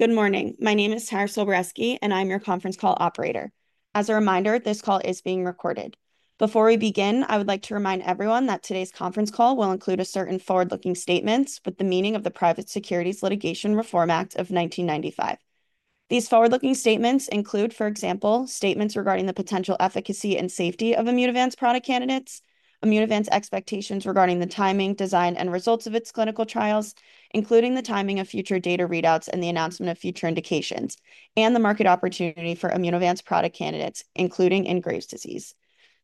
Good morning. My name is Tara Sobreski, and I'm your conference call operator. As a reminder, this call is being recorded. Before we begin, I would like to remind everyone that today's conference call will include a certain forward-looking statements with the meaning of the Private Securities Litigation Reform Act of 1995. These forward-looking statements include, for example, statements regarding the potential efficacy and safety of Immunovant's product candidates, Immunovant's expectations regarding the timing, design, and results of its clinical trials, including the timing of future data readouts and the announcement of future indications, and the market opportunity for Immunovant's product candidates, including in Graves' disease.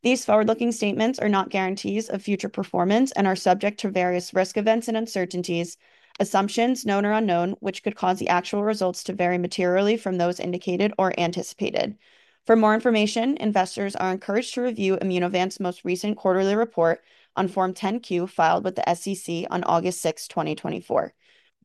These forward-looking statements are not guarantees of future performance and are subject to various risk events and uncertainties, assumptions, known or unknown, which could cause the actual results to vary materially from those indicated or anticipated. For more information, investors are encouraged to review Immunovant's most recent quarterly report on Form 10-Q, filed with the SEC on August sixth, 2024.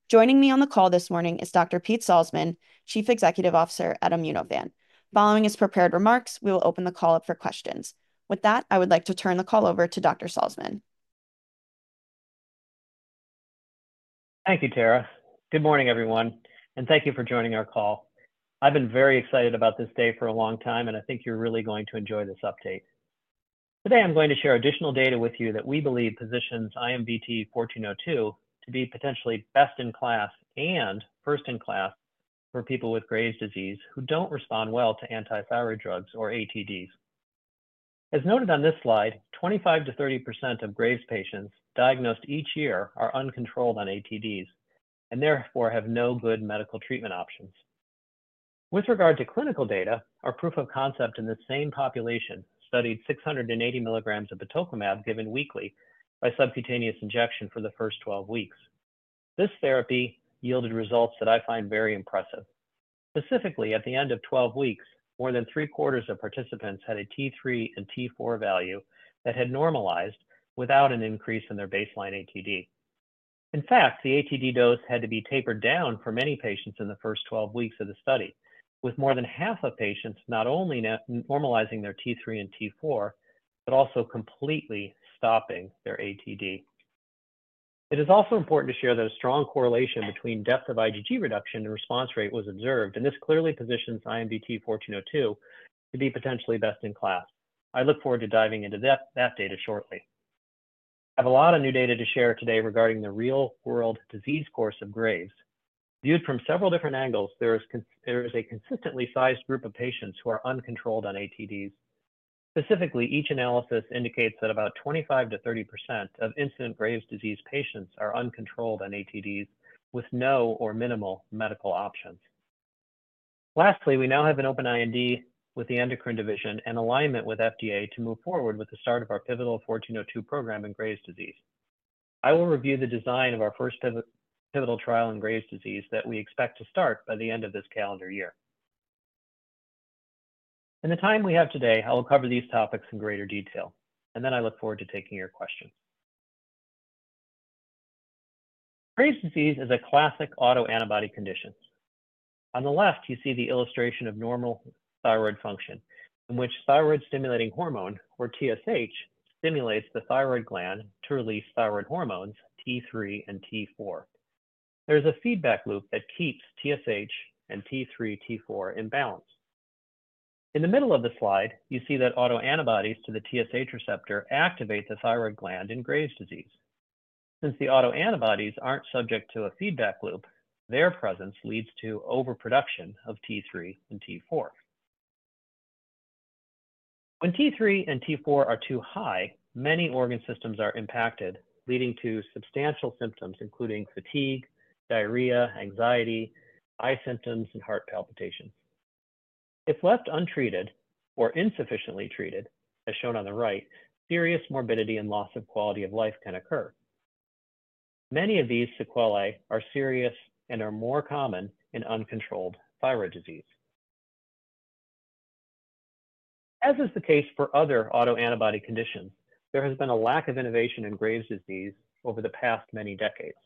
Joining me on the call this morning is Dr. Pete Salzman, Chief Executive Officer at Immunovant. Following his prepared remarks, we will open the call up for questions. With that, I would like to turn the call over to Dr. Salzman. Thank you, Tara. Good morning, everyone, and thank you for joining our call. I've been very excited about this day for a long time, and I think you're really going to enjoy this update. Today, I'm going to share additional data with you that we believe positions IMVT-1402 to be potentially best in class and first in class for people with Graves' disease who don't respond well to anti-thyroid drugs or ATDs. As noted on this slide, 25%-30% of Graves' patients diagnosed each year are uncontrolled on ATDs and therefore have no good medical treatment options. With regard to clinical data, our proof of concept in this same population studied 680 mg of batoclimab given weekly by subcutaneous injection for the first 12 weeks. This therapy yielded results that I find very impressive. Specifically, at the end of 12 weeks, more than three-quarters of participants had a T3 and T4 value that had normalized without an increase in their baseline ATD. In fact, the ATD dose had to be tapered down for many patients in the first 12 weeks of the study, with more than half of patients not only normalizing their T3 and T4, but also completely stopping their ATD. It is also important to share that a strong correlation between depth of IgG reduction and response rate was observed, and this clearly positions IMVT-1402 to be potentially best in class. I look forward to diving into that data shortly. I have a lot of new data to share today regarding the real-world disease course of Graves. Viewed from several different angles, there is a consistently sized group of patients who are uncontrolled on ATDs. Specifically, each analysis indicates that about 25%-30% of incident Graves' disease patients are uncontrolled on ATDs, with no or minimal medical options. Lastly, we now have an open IND with the endocrine division and alignment with FDA to move forward with the start of our pivotal 1402 program in Graves' disease. I will review the design of our first pivotal trial in Graves' disease that we expect to start by the end of this calendar year. In the time we have today, I will cover these topics in greater detail, and then I look forward to taking your questions. Graves' disease is a classic autoantibody condition. On the left, you see the illustration of normal thyroid function, in which thyroid-stimulating hormone, or TSH, stimulates the thyroid gland to release thyroid hormones, T3 and T4. There is a feedback loop that keeps TSH and T3, T4 in balance. In the middle of the slide, you see that autoantibodies to the TSH receptor activate the thyroid gland in Graves' disease. Since the autoantibodies aren't subject to a feedback loop, their presence leads to overproduction of T3 and T4. When T3 and T4 are too high, many organ systems are impacted, leading to substantial symptoms, including fatigue, diarrhea, anxiety, eye symptoms, and heart palpitations. If left untreated or insufficiently treated, as shown on the right, serious morbidity and loss of quality of life can occur. Many of these sequelae are serious and are more common in uncontrolled thyroid disease. As is the case for other autoantibody conditions, there has been a lack of innovation in Graves' disease over the past many decades.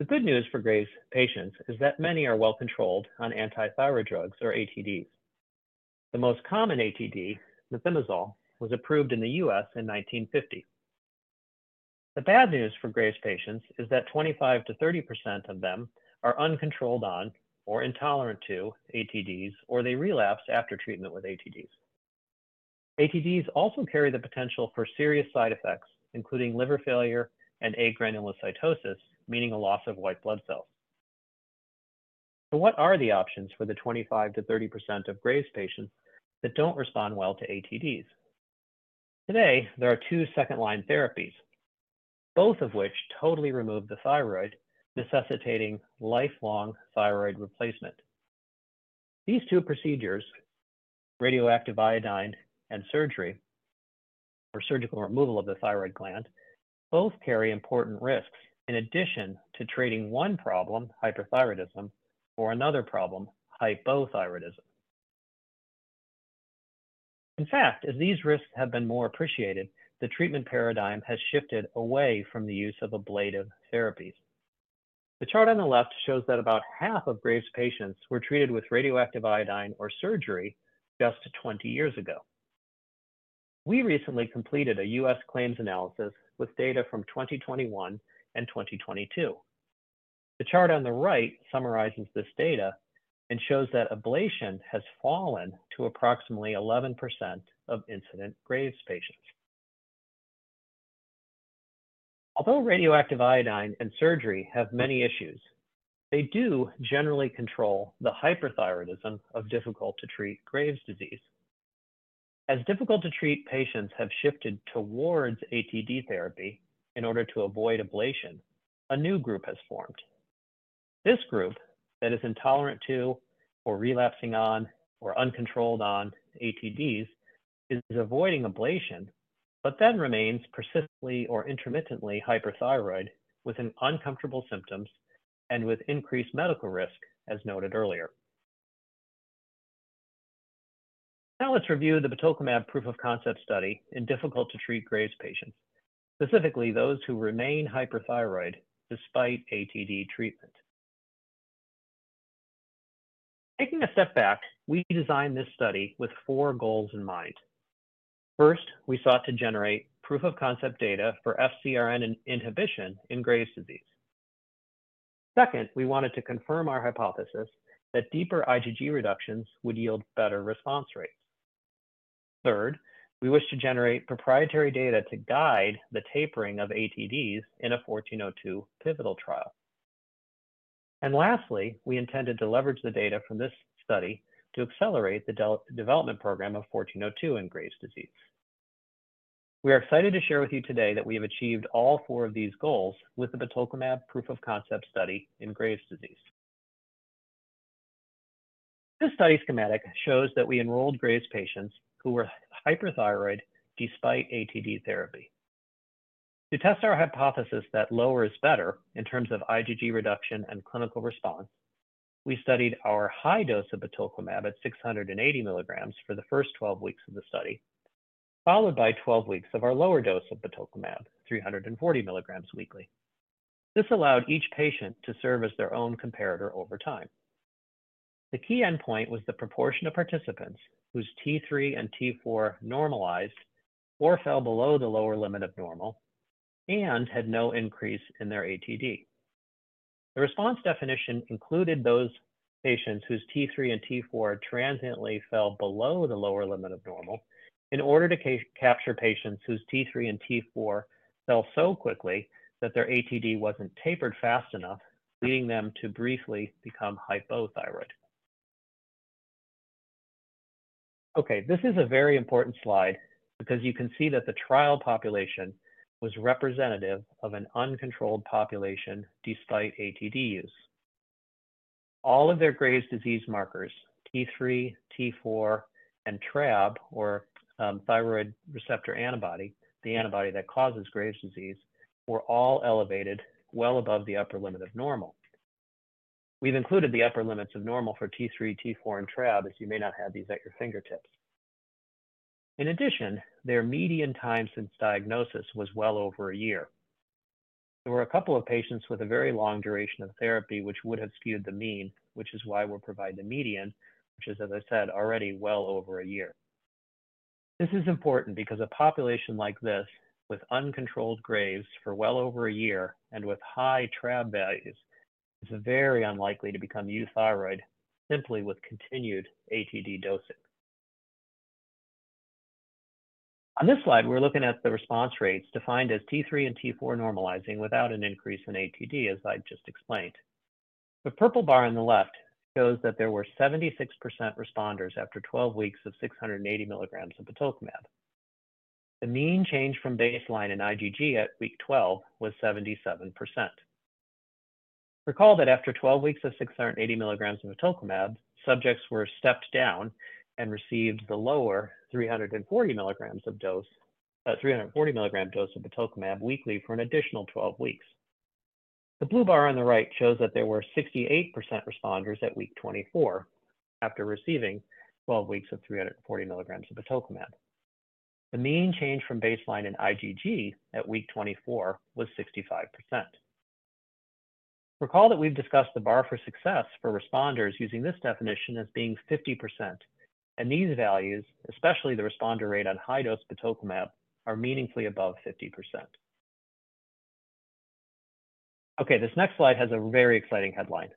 The good news for Graves' patients is that many are well controlled on anti-thyroid drugs or ATDs. The most common ATD, methimazole, was approved in the U.S. in 1950. The bad news for Graves' patients is that 25%-30% of them are uncontrolled on or intolerant to ATDs, or they relapse after treatment with ATDs. ATDs also carry the potential for serious side effects, including liver failure and agranulocytosis, meaning a loss of white blood cells. So what are the options for the 25%-30% of Graves' patients that don't respond well to ATDs? Today, there are two second-line therapies, both of which totally remove the thyroid, necessitating lifelong thyroid replacement. These two procedures, radioactive iodine and surgery, or surgical removal of the thyroid gland, both carry important risks in addition to treating one problem, hyperthyroidism, or another problem, hypothyroidism. In fact, as these risks have been more appreciated, the treatment paradigm has shifted away from the use of ablative therapies. The chart on the left shows that about half of Graves' patients were treated with radioactive iodine or surgery just 20 years ago. We recently completed a U.S. claims analysis with data from 2021 and 2022. The chart on the right summarizes this data and shows that ablation has fallen to approximately 11% of incident Graves' patients. Although radioactive iodine and surgery have many issues, they do generally control the hyperthyroidism of difficult to treat Graves' disease. As difficult to treat patients have shifted towards ATD therapy in order to avoid ablation, a new group has formed. This group that is intolerant to, or relapsing on, or uncontrolled on ATDs, is avoiding ablation, but then remains persistently or intermittently hyperthyroid with uncomfortable symptoms and with increased medical risk, as noted earlier. Now let's review the batoclimab proof of concept study in difficult to treat Graves' patients, specifically those who remain hyperthyroid despite ATD treatment. Taking a step back, we designed this study with four goals in mind. First, we sought to generate proof of concept data for FcRn inhibition in Graves' disease. Second, we wanted to confirm our hypothesis that deeper IgG reductions would yield better response rates. Third, we wish to generate proprietary data to guide the tapering of ATDs in a 1402 pivotal trial. And lastly, we intended to leverage the data from this study to accelerate the development program of 1402 in Graves' disease. We are excited to share with you today that we have achieved all four of these goals with the batoclimab proof of concept study in Graves' disease. This study schematic shows that we enrolled Graves' patients who were hyperthyroid despite ATD therapy. To test our hypothesis that lower is better in terms of IgG reduction and clinical response, we studied our high dose of batoclimab at 680 mg for the first 12 weeks of the study, followed by 12 weeks of our lower dose of batoclimab, 340 mg weekly. This allowed each patient to serve as their own comparator over time. The key endpoint was the proportion of participants whose T3 and T4 normalized or fell below the lower limit of normal and had no increase in their ATD. The response definition included those patients whose T3 and T4 transiently fell below the lower limit of normal in order to capture patients whose T3 and T4 fell so quickly that their ATD wasn't tapered fast enough, leading them to briefly become hypothyroid. Okay, this is a very important slide because you can see that the trial population was representative of an uncontrolled population despite ATD use. All of their Graves' disease markers, T3, T4, and TRAb, or thyrotropin receptor antibody, the antibody that causes Graves' disease, were all elevated well above the upper limit of normal. We've included the upper limits of normal for T3, T4, and TRAb, as you may not have these at your fingertips. In addition, their median time since diagnosis was well over a year. There were a couple of patients with a very long duration of therapy, which would have skewed the mean, which is why we'll provide the median, which is, as I said, already well over a year. This is important because a population like this, with uncontrolled Graves' for well over a year and with high TRAb values, is very unlikely to become euthyroid simply with continued ATD dosing. On this slide, we're looking at the response rates defined as T3 and T4 normalizing without an increase in ATD, as I just explained. The purple bar on the left shows that there were 76% responders after 12 weeks of 680 mg of batoclimab. The mean change from baseline in IgG at week 12 was 77%. Recall that after 12 weeks of 680 mg of batoclimab, subjects were stepped down and received the lower 340 mg of dose, 340 mg dose of batoclimab weekly for an additional 12 weeks. The blue bar on the right shows that there were 68% responders at week 24 after receiving 12 weeks of 340 mg of batoclimab. The mean change from baseline in IgG at week 24 was 65%. Recall that we've discussed the bar for success for responders using this definition as being 50%, and these values, especially the responder rate on high-dose batoclimab, are meaningfully above 50%. Okay, this next slide has a very exciting headline.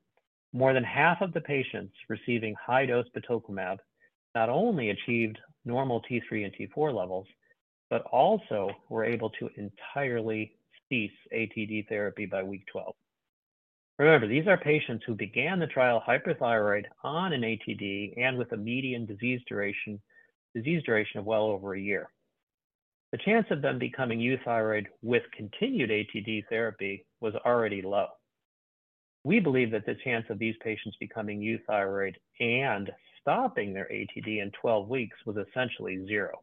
More than half of the patients receiving high-dose batoclimab not only achieved normal T3 and T4 levels, but also were able to entirely cease ATD therapy by week 12. Remember, these are patients who began the trial hyperthyroid on an ATD and with a median disease duration of well over a year. The chance of them becoming euthyroid with continued ATD therapy was already low. We believe that the chance of these patients becoming euthyroid and stopping their ATD in 12 weeks was essentially zero.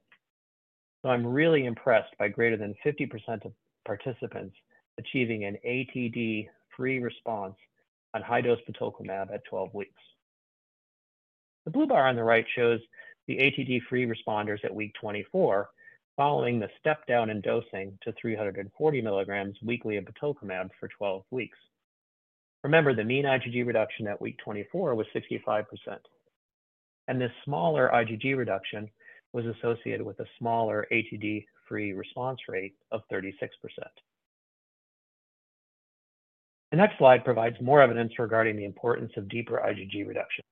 So I'm really impressed by greater than 50% of participants achieving an ATD-free response on high-dose Batoclimab at 12 weeks. The blue bar on the right shows the ATD-free responders at week 24, following the step-down in dosing to 340 mg weekly of batoclimab for 12 weeks.... Remember, the mean IgG reduction at week 24 was 65%, and this smaller IgG reduction was associated with a smaller ATD-free response rate of 36%. The next slide provides more evidence regarding the importance of deeper IgG reduction.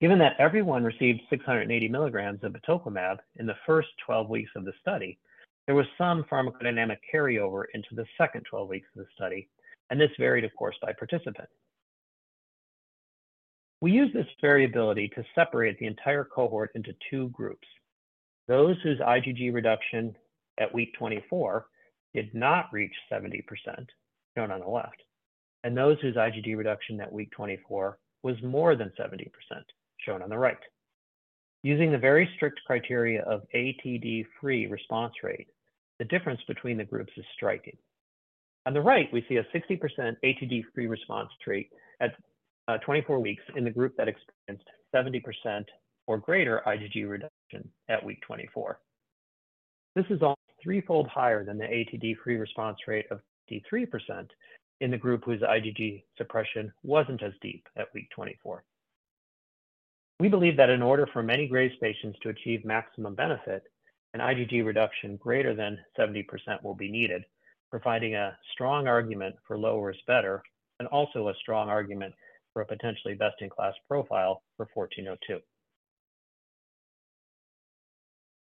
Given that everyone received 680 mg of batoclimab in the first 12 weeks of the study, there was some pharmacodynamic carryover into the second 12 weeks of the study, and this varied, of course, by participant. We used this variability to separate the entire cohort into two groups: those whose IgG reduction at week 24 did not reach 70%, shown on the left, and those whose IgG reduction at week 24 was more than 70%, shown on the right. Using the very strict criteria of ATD-free response rate, the difference between the groups is striking. On the right, we see a 60% ATD-free response rate at 24 weeks in the group that experienced 70% or greater IgG reduction at week 24. This is almost threefold higher than the ATD-free response rate of 33% in the group whose IgG suppression wasn't as deep at week 24. We believe that in order for many Graves' patients to achieve maximum benefit, an IgG reduction greater than 70% will be needed, providing a strong argument for lower is better and also a strong argument for a potentially best-in-class profile for 1402.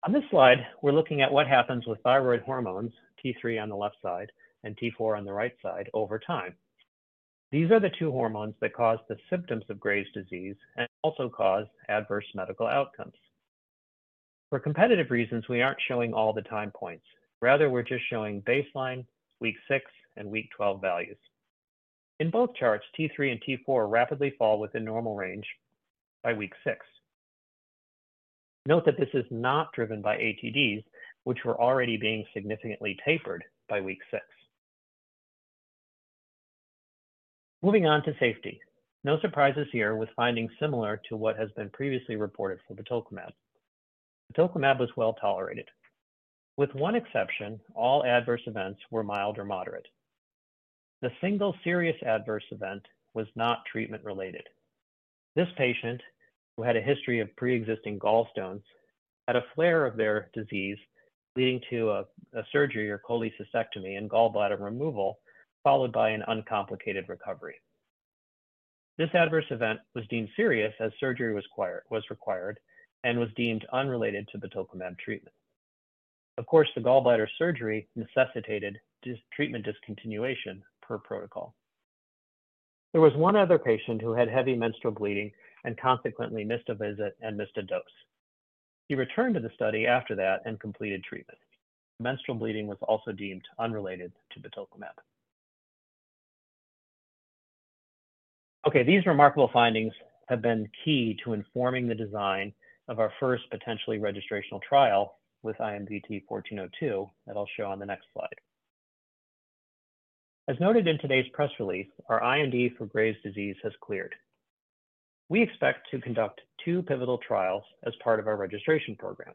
On this slide, we're looking at what happens with thyroid hormones, T3 on the left side and T4 on the right side, over time. These are the two hormones that cause the symptoms of Graves' disease and also cause adverse medical outcomes. For competitive reasons, we aren't showing all the time points. Rather, we're just showing baseline, week six, and week 12 values. In both charts, T3 and T4 rapidly fall within normal range by week six. Note that this is not driven by ATDs, which were already being significantly tapered by week six. Moving on to safety. No surprises here, with findings similar to what has been previously reported for batoclimab. Batoclimab was well tolerated. With one exception, all adverse events were mild or moderate. The single serious adverse event was not treatment-related. This patient, who had a history of preexisting gallstones, had a flare of their disease, leading to a surgery or cholecystectomy and gallbladder removal, followed by an uncomplicated recovery. This adverse event was deemed serious as surgery was required and was deemed unrelated to batoclimab treatment. Of course, the gallbladder surgery necessitated discontinuation of treatment per protocol. There was one other patient who had heavy menstrual bleeding and consequently missed a visit and missed a dose. He returned to the study after that and completed treatment. Menstrual bleeding was also deemed unrelated to batoclimab. Okay, these remarkable findings have been key to informing the design of our first potentially registrational trial with IMVT-1402 that I'll show on the next slide. As noted in today's press release, our IND for Graves' disease has cleared. We expect to conduct two pivotal trials as part of our registration program.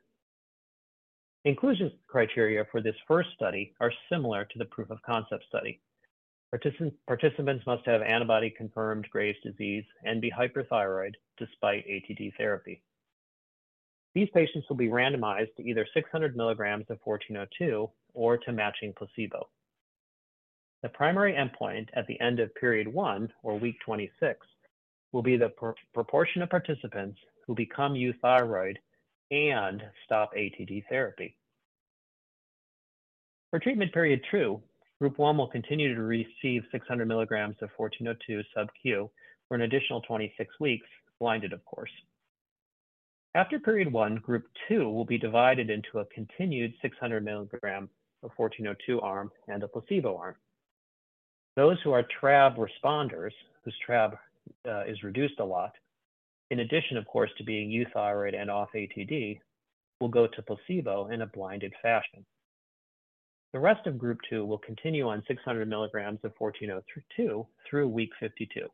Inclusion criteria for this first study are similar to the proof of concept study. Participants must have antibody-confirmed Graves' disease and be hyperthyroid despite ATD therapy. These patients will be randomized to either 600 mg of 1402 or to matching placebo. The primary endpoint at the end of period one or week 26 will be the proportion of participants who become euthyroid and stop ATD therapy. For treatment period two, group one will continue to receive 600 mg of IMVT-1402 sub-Q for an additional 26 weeks, blinded, of course. After period one, group two will be divided into a continued 600 mg of IMVT-1402 arm and a placebo arm. Those who are TRAb responders, whose TRAb is reduced a lot, in addition, of course, to being euthyroid and off ATD, will go to placebo in a blinded fashion. The rest of group two will continue on 600 mg of IMVT-1402 through week 52.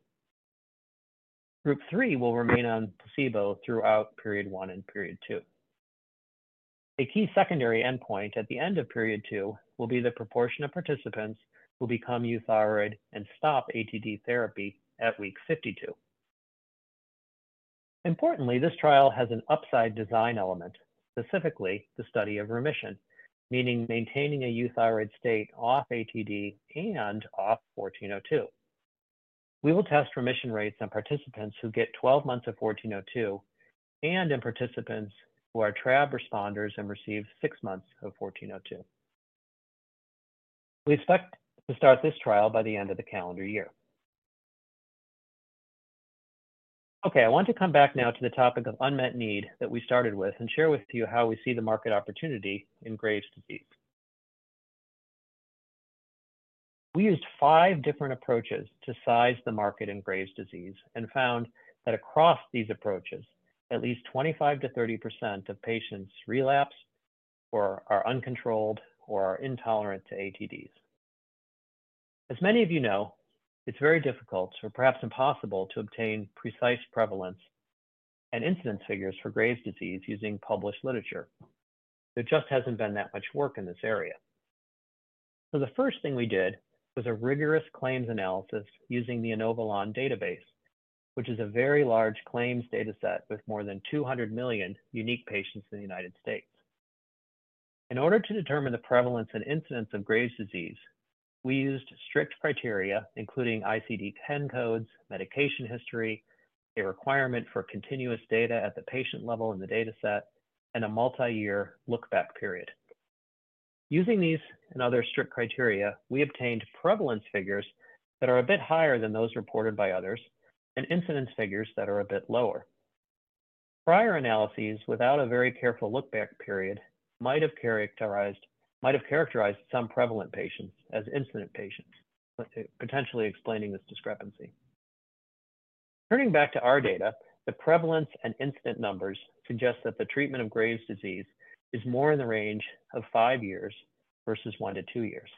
Group three will remain on placebo throughout period one and period two. A key secondary endpoint at the end of period two will be the proportion of participants who become euthyroid and stop ATD therapy at week 52. Importantly, this trial has an upside design element, specifically the study of remission, meaning maintaining a euthyroid state off ATD and off IMVT-1402. We will test remission rates in participants who get 12 months of IMVT-1402 and in participants who are TRAb responders and receive 6 months of IMVT-1402. We expect to start this trial by the end of the calendar year. Okay, I want to come back now to the topic of unmet need that we started with and share with you how we see the market opportunity in Graves' disease. We used five different approaches to size the market in Graves' disease and found that across these approaches, at least 25%-30% of patients relapse or are uncontrolled or are intolerant to ATDs. As many of you know, it's very difficult or perhaps impossible to obtain precise prevalence and incidence figures for Graves' disease using published literature. There just hasn't been that much work in this area. So the first thing we did was a rigorous claims analysis using the Inovalon database, which is a very large claims dataset with more than 200 million unique patients in the United States. In order to determine the prevalence and incidence of Graves' disease, we used strict criteria, including ICD-10 codes, medication history, a requirement for continuous data at the patient level in the dataset, and a multi-year lookback period. Using these and other strict criteria, we obtained prevalence figures that are a bit higher than those reported by others, and incidence figures that are a bit lower. Prior analyses without a very careful look back period might have characterized some prevalent patients as incident patients, potentially explaining this discrepancy. Turning back to our data, the prevalence and incident numbers suggest that the treatment of Graves' disease is more in the range of five years versus one to two years.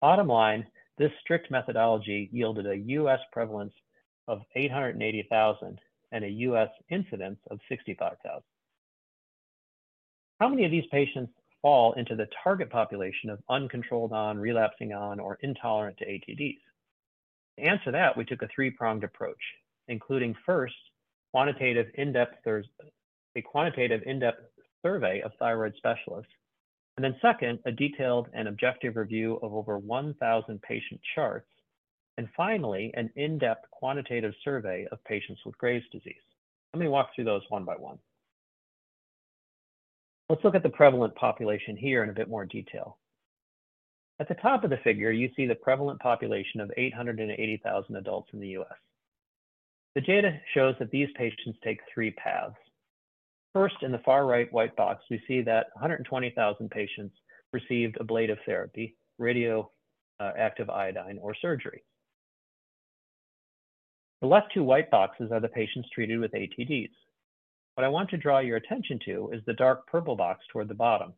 Bottom line, this strict methodology yielded a U.S. prevalence of 880,000 and a U.S. incidence of 65,000. How many of these patients fall into the target population of uncontrolled on, relapsing on, or intolerant to ATDs? To answer that, we took a three-pronged approach, including first, a quantitative in-depth survey of thyroid specialists, and then second, a detailed and objective review of over 1,000 patient charts, and finally, an in-depth quantitative survey of patients with Graves' disease. Let me walk through those one by one. Let's look at the prevalent population here in a bit more detail. At the top of the figure, you see the prevalent population of 880 adults in the US. The data shows that these patients take three paths. First, in the far right white box, we see that a 120,000 patients received ablative therapy, radioactive iodine, or surgery. The left two white boxes are the patients treated with ATDs. What I want to draw your attention to is the dark purple box toward the bottom.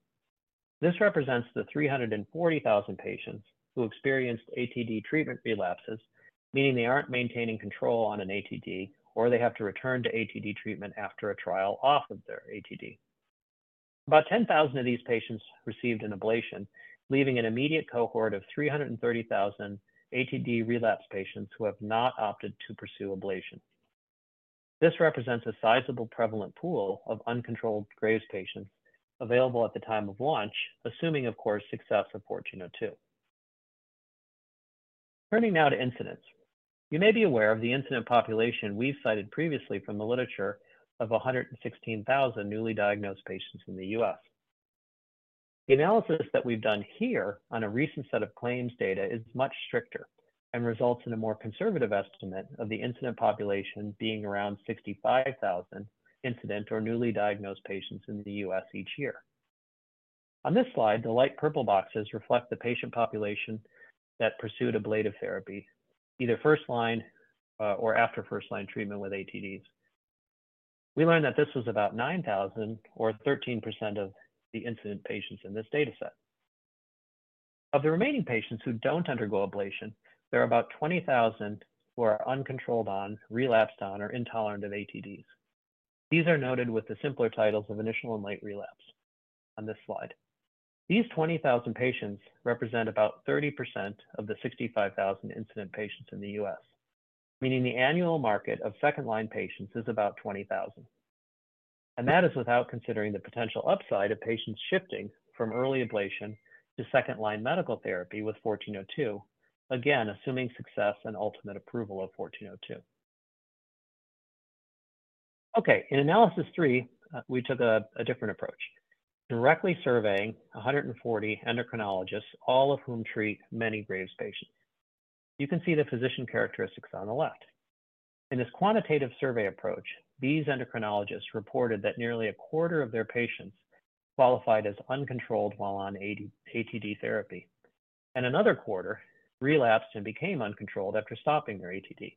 This represents the 340,000 patients who experienced ATD treatment relapses, meaning they aren't maintaining control on an ATD, or they have to return to ATD treatment after a trial off of their ATD. About 10,000 of these patients received an ablation, leaving an immediate cohort of 300 and 30,000 ATD relapse patients who have not opted to pursue ablation. This represents a sizable prevalent pool of uncontrolled Graves' patients available at the time of launch, assuming, of course, success of 1402. Turning now to incidence. You may be aware of the incidence population we've cited previously from the literature of a 100 and 16,000 newly diagnosed patients in the U.S. The analysis that we've done here on a recent set of claims data is much stricter and results in a more conservative estimate of the incident population being around 65,000 incident or newly diagnosed patients in the U.S. each year. On this slide, the light purple boxes reflect the patient population that pursued ablative therapy, either first-line, or after first-line treatment with ATDs. We learned that this was about 9,000 or 13% of the incident patients in this dataset. Of the remaining patients who don't undergo ablation, there are about 20,000 who are uncontrolled on, relapsed on, or intolerant of ATDs. These are noted with the simpler titles of initial and late relapse on this slide. These 20,000 patients represent about 30% of the 65,000 incident patients in the U.S., meaning the annual market of second-line patients is about 20,000. That is without considering the potential upside of patients shifting from early ablation to second-line medical therapy with 1402. Again, assuming success and ultimate approval of 1402. Okay, in analysis three, we took a different approach, directly surveying 140 endocrinologists, all of whom treat many Graves' patients. You can see the physician characteristics on the left. In this quantitative survey approach, these endocrinologists reported that nearly a quarter of their patients qualified as uncontrolled while on ATD therapy, and another quarter relapsed and became uncontrolled after stopping their ATD.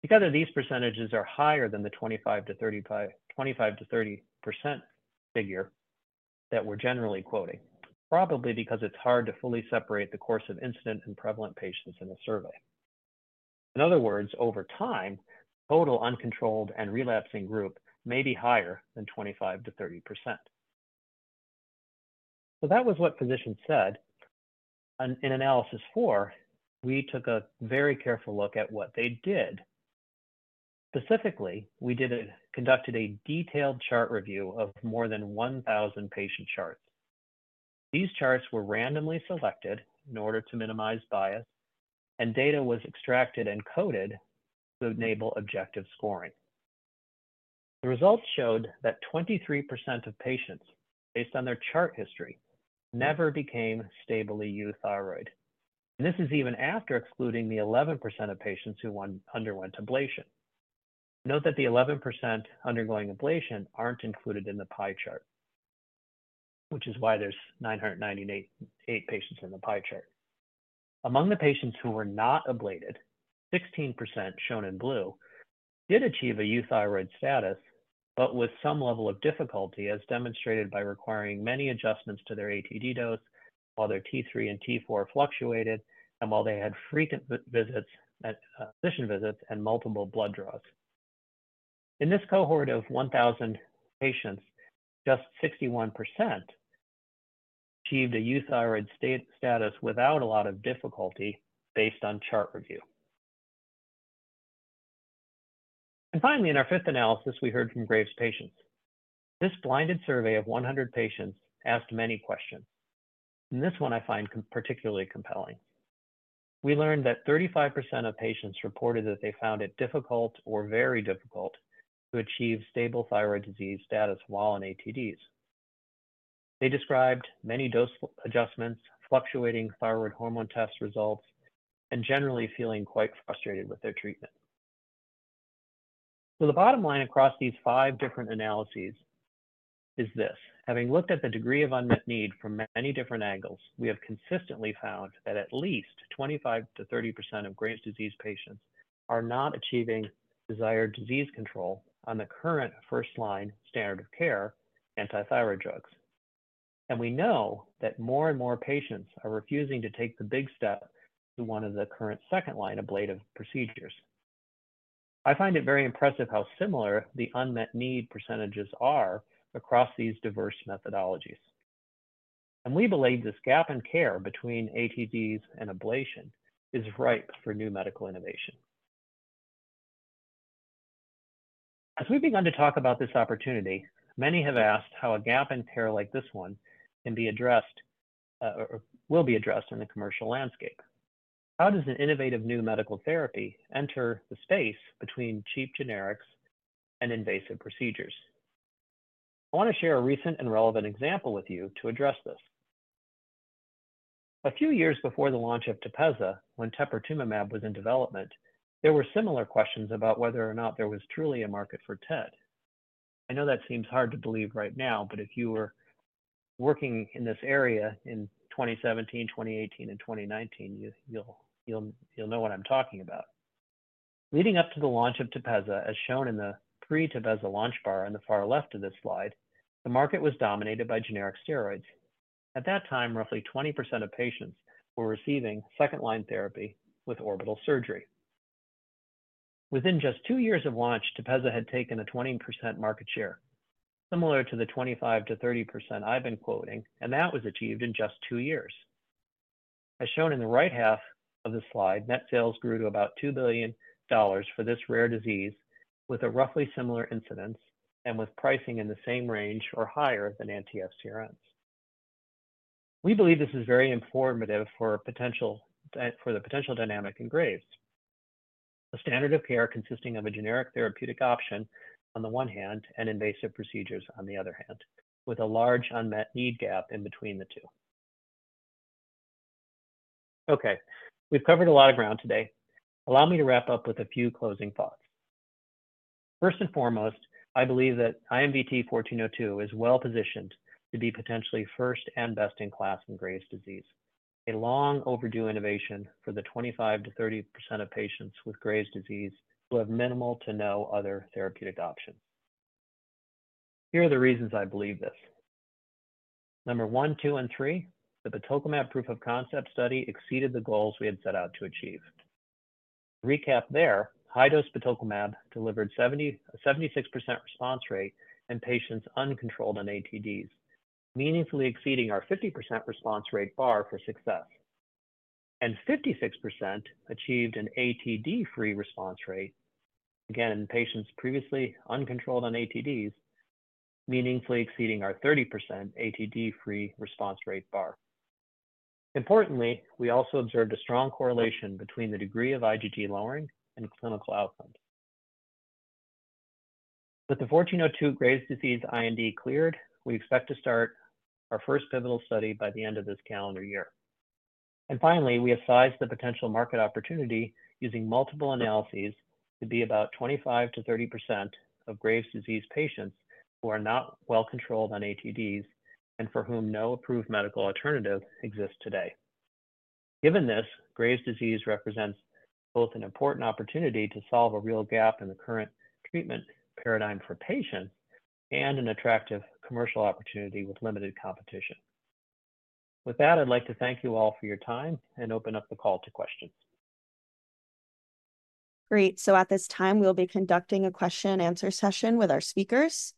Because of these percentages are higher than the 25%-30% figure that we're generally quoting, probably because it's hard to fully separate the cases of incident and prevalent patients in a survey. In other words, over time, total uncontrolled and relapsing group may be higher than 25%-30%. So that was what physicians said. In analysis four, we took a very careful look at what they did. Specifically, we conducted a detailed chart review of more than 1,000 patient charts. These charts were randomly selected in order to minimize bias, and data was extracted and coded to enable objective scoring. The results showed that 23% of patients, based on their chart history, never became stably euthyroid. This is even after excluding the 11% of patients who underwent ablation. Note that the 11% undergoing ablation aren't included in the pie chart, which is why there's 998 patients in the pie chart. Among the patients who were not ablated, 16%, shown in blue, did achieve a euthyroid status, but with some level of difficulty, as demonstrated by requiring many adjustments to their ATD dose, while their T3 and T4 fluctuated, and while they had frequent physician visits and multiple blood draws. In this cohort of 1,000 patients, just 61% achieved a euthyroid status without a lot of difficulty based on chart review. Finally, in our fifth analysis, we heard from Graves' patients. This blinded survey of 100 patients asked many questions, and this one I find particularly compelling. We learned that 35% of patients reported that they found it difficult or very difficult to achieve stable thyroid disease status while on ATDs. They described many dose adjustments, fluctuating thyroid hormone test results, and generally feeling quite frustrated with their treatment. So the bottom line across these five different analyses is this: Having looked at the degree of unmet need from many different angles, we have consistently found that at least 25%-30% of Graves' disease patients are not achieving desired disease control on the current first-line standard of care, antithyroid drugs. And we know that more and more patients are refusing to take the big step to one of the current second-line ablative procedures. I find it very impressive how similar the unmet need percentages are across these diverse methodologies. And we believe this gap in care between ATDs and ablation is ripe for new medical innovation. As we've begun to talk about this opportunity, many have asked how a gap in care like this one can be addressed, or will be addressed in the commercial landscape. How does an innovative new medical therapy enter the space between cheap generics and invasive procedures? I wanna share a recent and relevant example with you to address this. A few years before the launch of Tepezza, when teprotumumab was in development, there were similar questions about whether or not there was truly a market for TED. I know that seems hard to believe right now, but if you were working in this area in 2017, 2018 and 2019, you'll know what I'm talking about. Leading up to the launch of Tepezza, as shown in the pre-Tepezza launch bar on the far left of this slide, the market was dominated by generic steroids. At that time, roughly 20% of patients were receiving second-line therapy with orbital surgery. Within just two years of launch, Tepezza had taken a 20% market share, similar to the 25%-30% I've been quoting, and that was achieved in just two years. As shown in the right half of the slide, net sales grew to about $2 billion for this rare disease, with a roughly similar incidence and with pricing in the same range or higher than anti-FcRns. We believe this is very informative for the potential dynamic in Graves'. A standard of care consisting of a generic therapeutic option on the one hand, and invasive procedures on the other hand, with a large unmet need gap in between the two. Okay, we've covered a lot of ground today. Allow me to wrap up with a few closing thoughts. First and foremost, I believe that IMVT-1402 is well-positioned to be potentially first and best-in-class in Graves' disease, a long-overdue innovation for the 25%-30% of patients with Graves' disease who have minimal to no other therapeutic options. Here are the reasons I believe this. Number one, two, and three, the batoclimab proof of concept study exceeded the goals we had set out to achieve. To recap there, high-dose batoclimab delivered 76% response rate in patients uncontrolled on ATDs, meaningfully exceeding our 50% response rate bar for success, and 56% achieved an ATD-free response rate, again, in patients previously uncontrolled on ATDs, meaningfully exceeding our 30% ATD-free response rate bar. Importantly, we also observed a strong correlation between the degree of IgG lowering and clinical outcomes. With the 1402 Graves' disease IND cleared, we expect to start our first pivotal study by the end of this calendar year. And finally, we have sized the potential market opportunity using multiple analyses to be about 25%-30% of Graves' disease patients who are not well controlled on ATDs and for whom no approved medical alternative exists today. Given this, Graves' disease represents both an important opportunity to solve a real gap in the current treatment paradigm for patients and an attractive commercial opportunity with limited competition. With that, I'd like to thank you all for yo ur time and open up the call to questions. Great, so at this time, we'll be conducting a question and answer session with our speakers.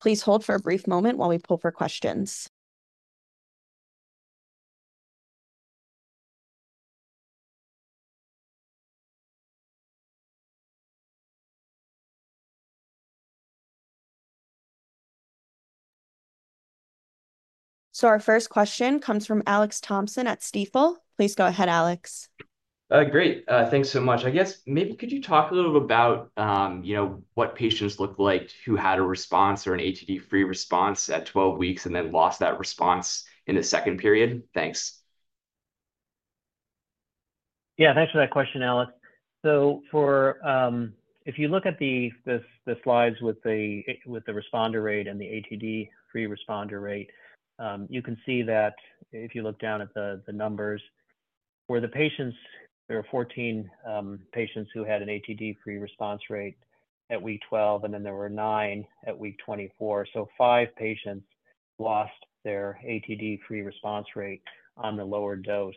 Please hold for a brief moment while we poll for questions, so our first question comes from Alex Thompson at Stifel. Please go ahead, Alex. Great. Thanks so much. I guess maybe could you talk a little about, you know, what patients looked like who had a response or an ATD-free response at 12 weeks and then lost that response in the second period? Thanks. Yeah, thanks for that question, Alex. So for, if you look at the slides with the responder rate and the ATD-free responder rate, you can see that if you look down at the numbers. For the patients, there are 14 patients who had an ATD-free response rate at week 12, and then there were nine at week 24. So five patients lost their ATD-free response rate on the lower dose.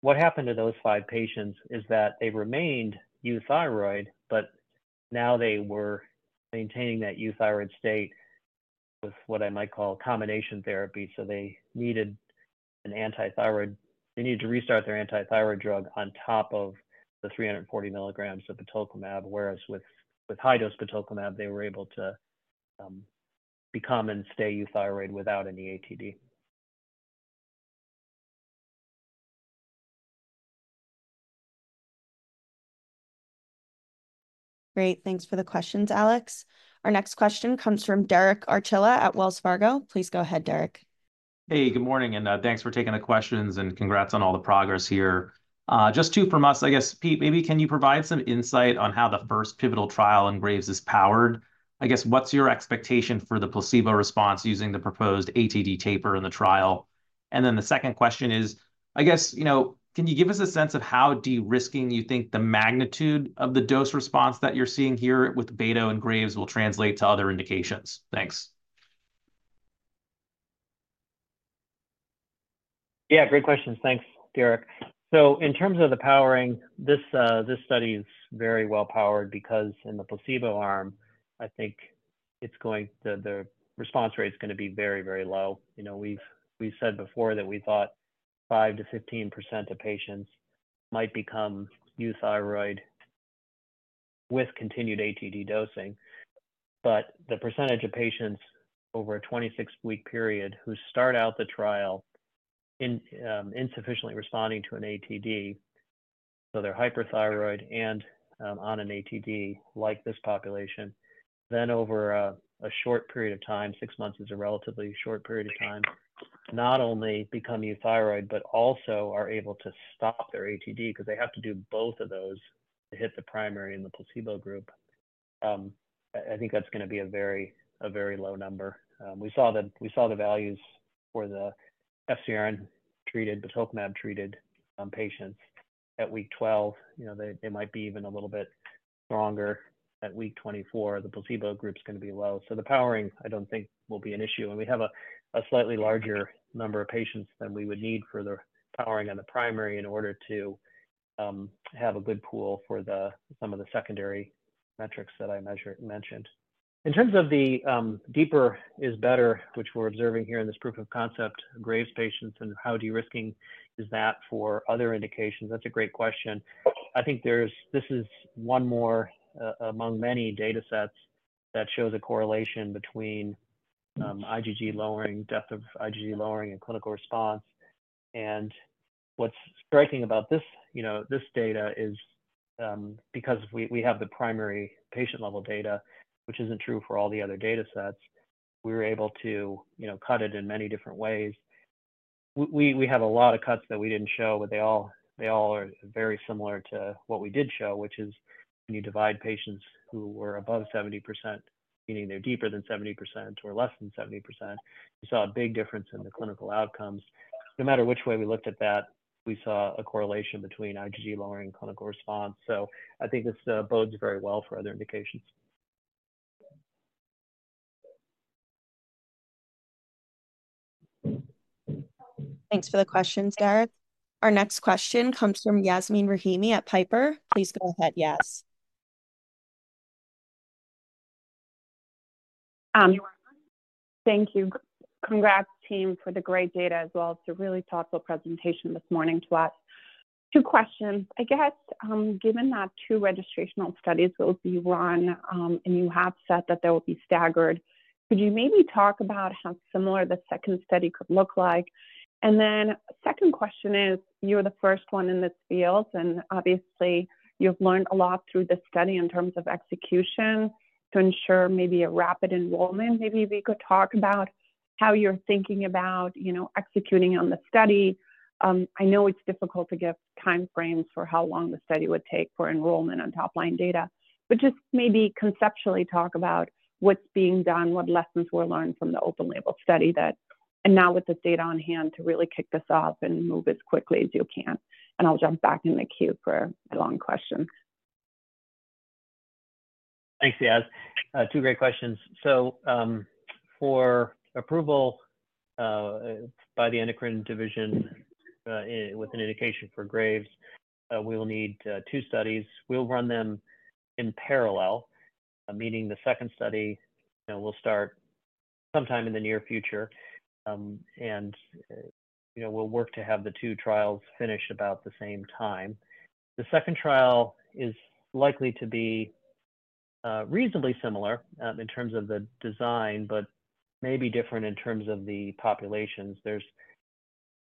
What happened to those five patients is that they remained euthyroid, but now they were maintaining that euthyroid state with what I might call combination therapy. They needed an anti-thyroid. They needed to restart their anti-thyroid drug on top of the 340 mg of sotolimonab, whereas with high-dose sotolimonab, they were able to become and stay euthyroid without any ATD. Great, thanks for the questions, Alex. Our next question comes from Derek Archilla at Wells Fargo. Please go ahead, Derek. Hey, good morning, and thanks for taking the questions and congrats on all the progress here. Just two from us. I guess, Pete, maybe can you provide some insight on how the first pivotal trial in Graves is powered? I guess, what's your expectation for the placebo response using the proposed ATD taper in the trial? And then the second question is, I guess, you know, can you give us a sense of how de-risking you think the magnitude of the dose response that you're seeing here with batoclimab and Graves will translate to other indications? Thanks. Yeah, great questions. Thanks, Derek. So in terms of the powering, this study is very well-powered because in the placebo arm, I think it's going the response rate is gonna be very, very low. You know, we've said before that we thought 5%-15% of patients might become euthyroid with continued ATD dosing. But the percentage of patients over a 26-week period, who start out the trial in insufficiently responding to an ATD, so they're hyperthyroid and on an ATD like this population, then over a short period of time, six months is a relatively short period of time, not only become euthyroid but also are able to stop their ATD because they have to do both of those to hit the primary in the placebo group. I think that's gonna be a very low number. We saw the values for the FcRn-treated, batoclimab-treated, patients at week 12. You know, they might be even a little bit stronger at week 24. The placebo group's gonna be low. So the powering, I don't think, will be an issue. And we have a slightly larger number of patients than we would need for the powering on the primary in order to have a good pool for some of the secondary metrics that I mentioned. In terms of deeper is better, which we're observing here in this proof of concept, Graves' patients, and how de-risking is that for other indications? That's a great question. I think there's this is one more among many data sets that shows a correlation between IgG lowering, depth of IgG lowering and clinical response. What's striking about this, you know, this data is because we have the primary patient-level data, which isn't true for all the other data sets. We were able to, you know, cut it in many different ways. We have a lot of cuts that we didn't show, but they all are very similar to what we did show, which is when you divide patients who were above 70%, meaning they're deeper than 70% or less than 70%, you saw a big difference in the clinical outcomes. No matter which way we looked at that, we saw a correlation between IgG lowering and clinical response. So I think this bodes very well for other indications. Thanks for the questions, Derek. Our next question comes from Yasmeen Rahimi at Piper. Please go ahead, Yas. Thank you. Congrats, team, for the great data as well. It's a really thoughtful presentation this morning to us. Two questions. I guess, given that two registrational studies will be run, and you have said that they will be staggered, could you maybe talk about how similar the second study could look like? And then second question is, you're the first one in this field, and obviously, you've learned a lot through this study in terms of execution to ensure maybe a rapid enrollment. Maybe we could talk about how you're thinking about, you know, executing on the study. I know it's difficult to give time frames for how long the study would take for enrollment on top-line data, but just maybe conceptually talk about what's being done, what lessons were learned from the open-label study that, and now with this data on hand, to really kick this off and move as quickly as you can, and I'll jump back in the queue for the long questions. Thanks, Yas. Two great questions. So, for approval by the endocrine division with an indication for Graves, we will need two studies. We'll run them in parallel, meaning the second study, you know, will start sometime in the near future. And, you know, we'll work to have the two trials finish about the same time. The second trial is likely to be reasonably similar in terms of the design, but maybe different in terms of the populations. There's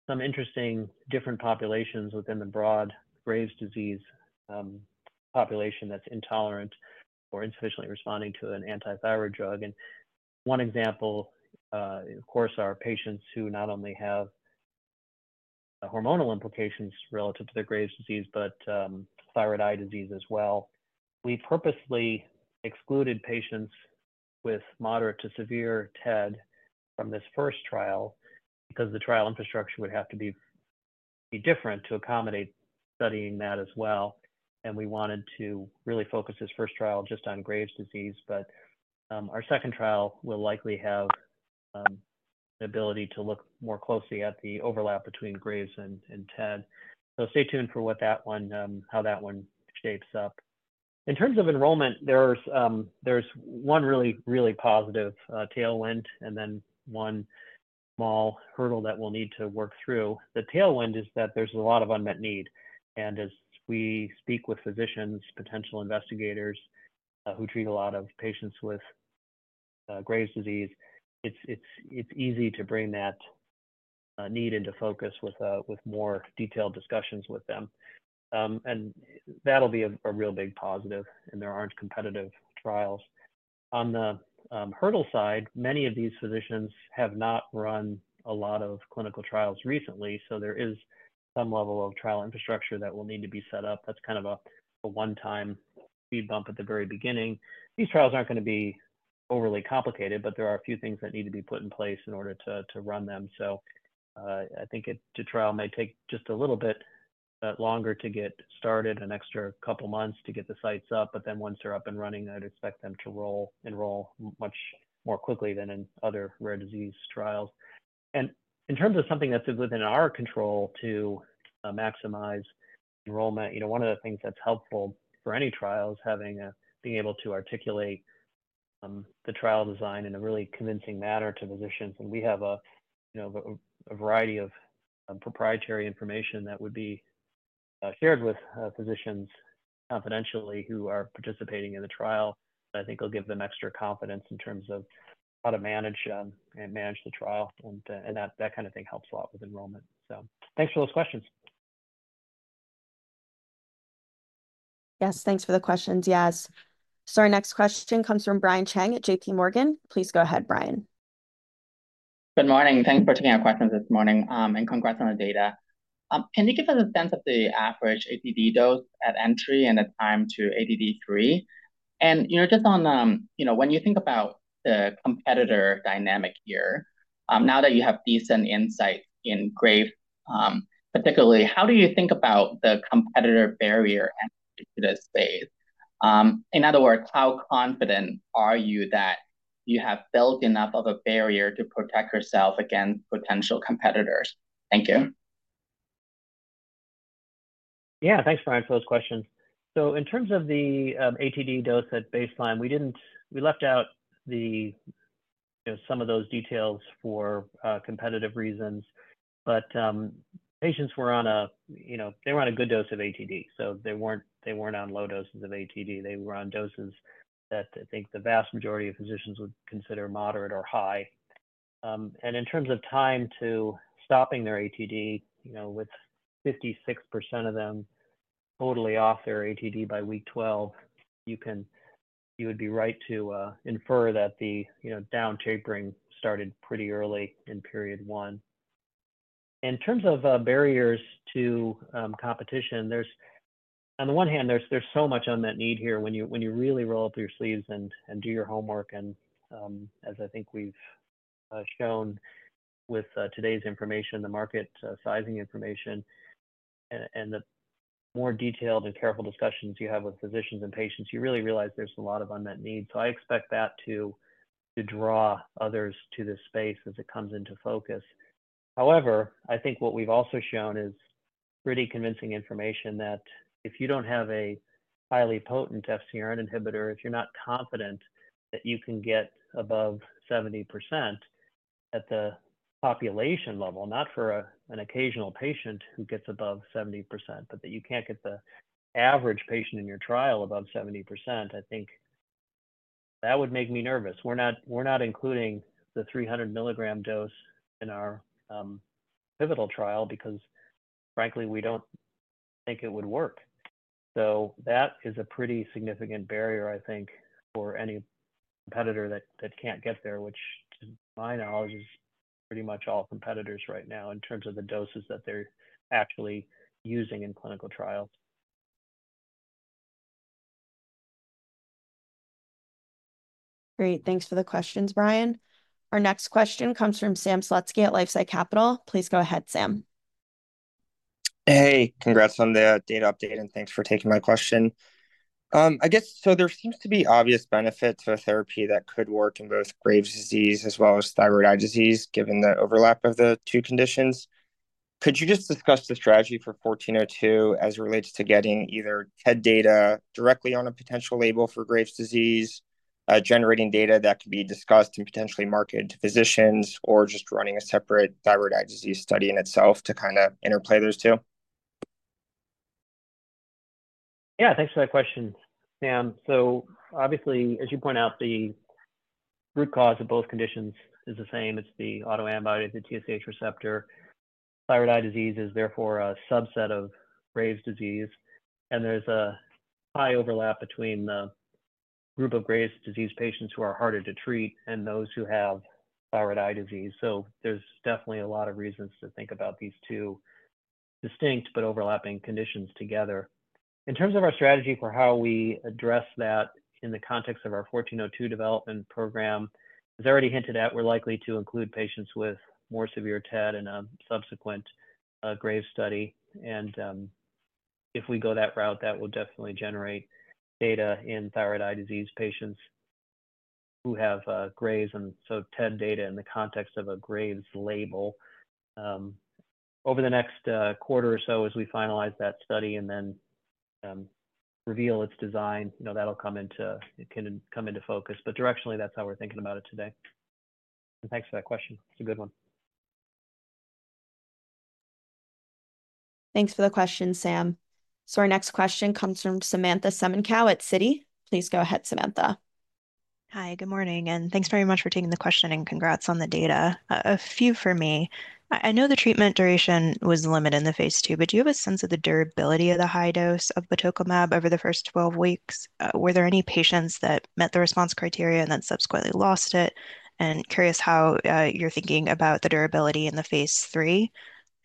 some interesting different populations within the broad Graves' disease population that's intolerant or insufficiently responding to an anti-thyroid drug. And one example, of course, are patients who not only have hormonal implications relative to their Graves' disease, but thyroid eye disease as well. We purposely excluded patients-... with moderate to severe TED from this first trial, because the trial infrastructure would have to be different to accommodate studying that as well, and we wanted to really focus this first trial just on Graves' disease, but our second trial will likely have the ability to look more closely at the overlap between Graves' and TED, so stay tuned for what that one, how that one shapes up. In terms of enrollment, there's one really, really positive tailwind, and then one small hurdle that we'll need to work through. The tailwind is that there's a lot of unmet need, and as we speak with physicians, potential investigators who treat a lot of patients with Graves' disease, it's easy to bring that need into focus with more detailed discussions with them. And that'll be a real big positive, and there aren't competitive trials. On the hurdle side, many of these physicians have not run a lot of clinical trials recently, so there is some level of trial infrastructure that will need to be set up. That's kind of a one-time speed bump at the very beginning. These trials aren't gonna be overly complicated, but there are a few things that need to be put in place in order to run them. So, I think the trial may take just a little bit longer to get started, an extra couple of months to get the sites up, but then once they're up and running, I'd expect them to enroll much more quickly than in other rare disease trials. And in terms of something that's within our control to maximize enrollment, you know, one of the things that's helpful for any trial is being able to articulate the trial design in a really convincing manner to physicians. And we have, you know, a variety of proprietary information that would be shared with physicians confidentially who are participating in the trial. I think it'll give them extra confidence in terms of how to manage the trial, and that kind of thing helps a lot with enrollment. So thanks for those questions. Yes, thanks for the questions, yes. So our next question comes from Brian Cheng at J.P. Morgan. Please go ahead, Brian. Good morning. Thanks for taking our questions this morning, and congrats on the data. Can you give us a sense of the average ATD dose at entry and the time to ATD-free? And, you know, just on, you know, when you think about the competitor dynamic here, now that you have decent insight into Graves', particularly, how do you think about the competitor barrier in the space? In other words, how confident are you that you have built enough of a barrier to protect yourself against potential competitors? Thank you. Yeah, thanks, Brian, for those questions, so in terms of the ATD dose at baseline, we left out the, you know, some of those details for competitive reasons, but patients were on a, you know, they were on a good dose of ATD, so they weren't, they weren't on low doses of ATD. They were on doses that I think the vast majority of physicians would consider moderate or high, and in terms of time to stopping their ATD, you know, with 56% of them totally off their ATD by week 12, you would be right to infer that the, you know, down tapering started pretty early in period one. In terms of barriers to competition, there's... On the one hand, there's so much unmet need here when you really roll up your sleeves and do your homework, and as I think we've shown with today's information, the market sizing information, and the more detailed and careful discussions you have with physicians and patients, you really realize there's a lot of unmet need. So I expect that to draw others to this space as it comes into focus. However, I think what we've also shown is pretty convincing information that if you don't have a highly potent FcRn inhibitor, if you're not confident that you can get above 70% at the population level, not for an occasional patient who gets above 70%, but that you can't get the average patient in your trial above 70%, I think that would make me nervous. We're not including the 300-mg dose in our pivotal trial because frankly, we don't think it would work. So that is a pretty significant barrier, I think, for any competitor that can't get there, which, to my knowledge, is pretty much all competitors right now in terms of the doses that they're actually using in clinical trials. Great. Thanks for the questions, Brian. Our next question comes from Sam Slutsky at LifeSci Capital. Please go ahead, Sam. Hey, congrats on the data update, and thanks for taking my question. I guess so there seems to be obvious benefits to a therapy that could work in both Graves' disease as well as thyroid eye disease, given the overlap of the two conditions. Could you just discuss the strategy for 1402 as it relates to getting either TED data directly on a potential label for Graves' disease, generating data that can be discussed and potentially marketed to physicians, or just running a separate thyroid eye disease study in itself to kinda interplay those two? Yeah, thanks for that question, Sam. So obviously, as you point out, the root cause of both conditions is the same. It's the autoantibody to TSH receptor. Thyroid eye disease is therefore a subset of Graves' disease, and there's a high overlap between the group of Graves' disease patients who are harder to treat and those who have thyroid eye disease. So there's definitely a lot of reasons to think about these distinct but overlapping conditions together. In terms of our strategy for how we address that in the context of our 1402 development program, as I already hinted at, we're likely to include patients with more severe TED and subsequent Graves' study, and if we go that route, that will definitely generate data in thyroid eye disease patients who have Graves and so TED data in the context of a Graves label. Over the next quarter or so, as we finalize that study and then reveal its design, you know, it can come into focus, but directionally, that's how we're thinking about it today. Thanks for that question. It's a good one. Thanks for the question, Sam. So our next question comes from Samantha Semenkow at Citi. Please go ahead, Samantha. Hi, good morning, and thanks very much for taking the question, and congrats on the data. A few for me. I know the treatment duration was limited in the phase II, but do you have a sense of the durability of the high dose of batoclimab over the first 12 weeks? Were there any patients that met the response criteria and then subsequently lost it? And curious how you're thinking about the durability in the phase III.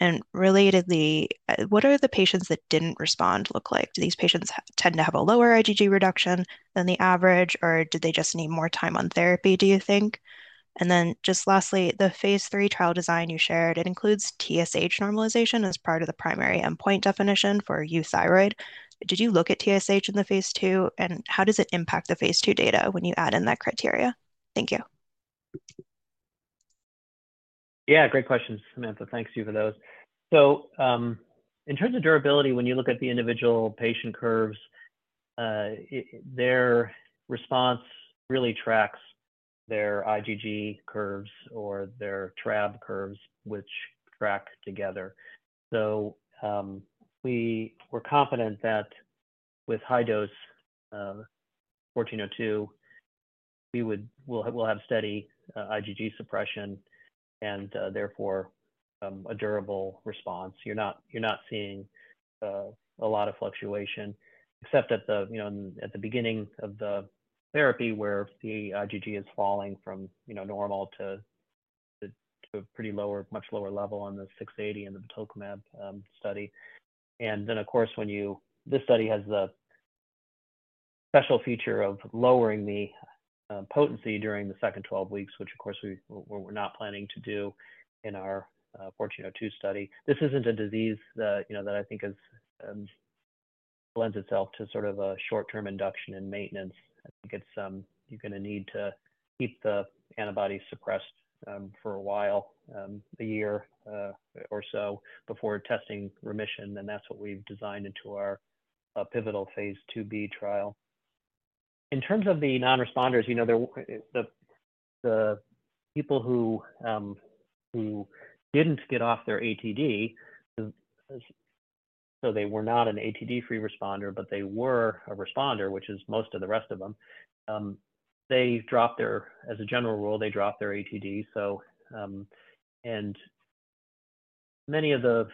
And relatedly, what are the patients that didn't respond look like? Do these patients tend to have a lower IgG reduction than the average, or do they just need more time on therapy, do you think? And then, just lastly, the phase III trial design you shared, it includes TSH normalization as part of the primary endpoint definition for euthyroid. Did you look at TSH in the phase II, and how does it impact the phase II data when you add in that criteria? Thank you. Yeah, great questions, Samantha. Thank you for those. So, in terms of durability, when you look at the individual patient curves, their response really tracks their IgG curves or their TRAb curves, which track together. So, we were confident that with high dose,1402, we'll have steady, IgG suppression and, therefore, a durable response. You're not seeing a lot of fluctuation, except at the beginning of the therapy where the IgG is falling from normal to a pretty lower, much lower level on the 680 in the batoclimab study. And then, of course, this study has the special feature of lowering the potency during the second 12 weeks, which of course, we're not planning to do in our 1402 study. This isn't a disease that, you know, that I think is lends itself to sort of a short-term induction and maintenance. I think it's you're going to need to keep the antibody suppressed for a while, a year or so before testing remission, and that's what we've designed into our pivotal phase II-B trial. In terms of the non-responders, you know, there, the people who didn't get off their ATD, so they were not an ATD-free responder, but they were a responder, which is most of the rest of them, they dropped their. As a general rule, they dropped their ATD. And many of the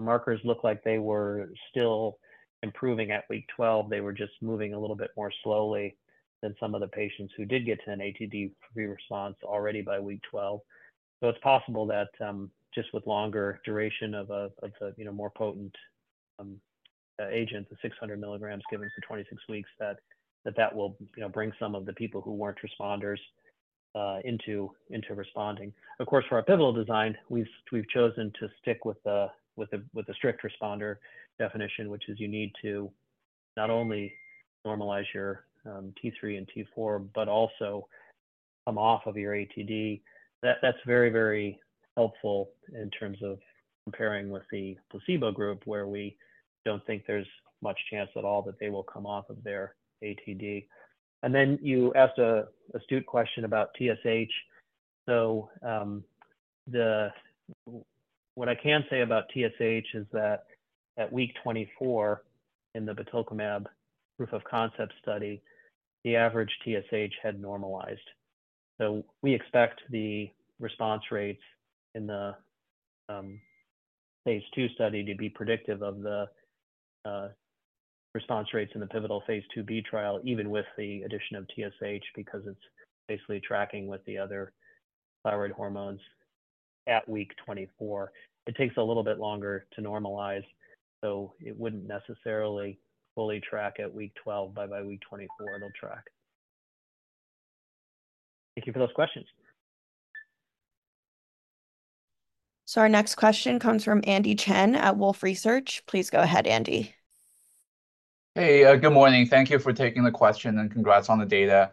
markers look like they were still improving at week 12. They were just moving a little bit more slowly than some of the patients who did get to an ATD-free response already by week 12. It's possible that just with longer duration of the, you know, more potent agent, the 600 mg given for 26 weeks, that will, you know, bring some of the people who weren't responders into responding. Of course, for our pivotal design, we've chosen to stick with the strict responder definition, which is you need to not only normalize your T3 and T4, but also come off of your ATD. That, that's very, very helpful in terms of comparing with the placebo group, where we don't think there's much chance at all that they will come off of their ATD. And then you asked an astute question about TSH. So, what I can say about TSH is that at week 24 in the batoclimab proof of concept study, the average TSH had normalized. So we expect the response rates in the phase II study to be predictive of the response rates in the pivotal phase II-B trial, even with the addition of TSH, because it's basically tracking with the other thyroid hormones at week 24. It takes a little bit longer to normalize, so it wouldn't necessarily fully track at week 12, but by week 24, it'll track. Thank you for those questions. So our next question comes from Andy Chen at Wolfe Research. Please go ahead, Andy. Hey, good morning. Thank you for taking the question, and congrats on the data.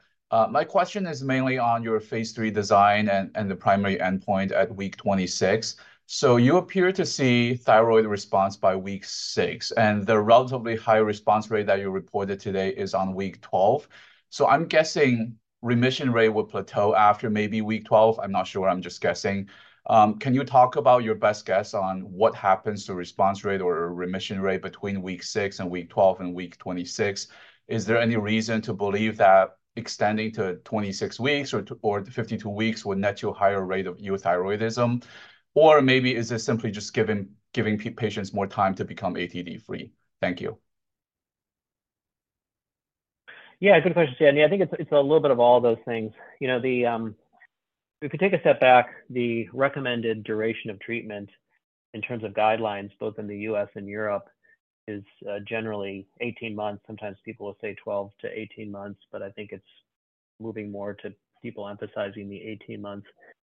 My question is mainly on your phase III design and the primary endpoint at week 26. So you appear to see thyroid response by week six, and the relatively high response rate that you reported today is on week 12. So I'm guessing remission rate will plateau after maybe week 12. I'm not sure, I'm just guessing. Can you talk about your best guess on what happens to response rate or remission rate between week six and week 12 and week 26? Is there any reason to believe that extending to 26 weeks or to 52 weeks would net you a higher rate of euthyroidism? Or maybe is this simply just giving patients more time to become ATD free? Thank you.... Yeah, good question, Danny. I think it's, it's a little bit of all those things. You know, the if we take a step back, the recommended duration of treatment in terms of guidelines, both in the U.S. and Europe, is generally 18 months. Sometimes people will say 12 to 18 months, but I think it's moving more to people emphasizing the 18 months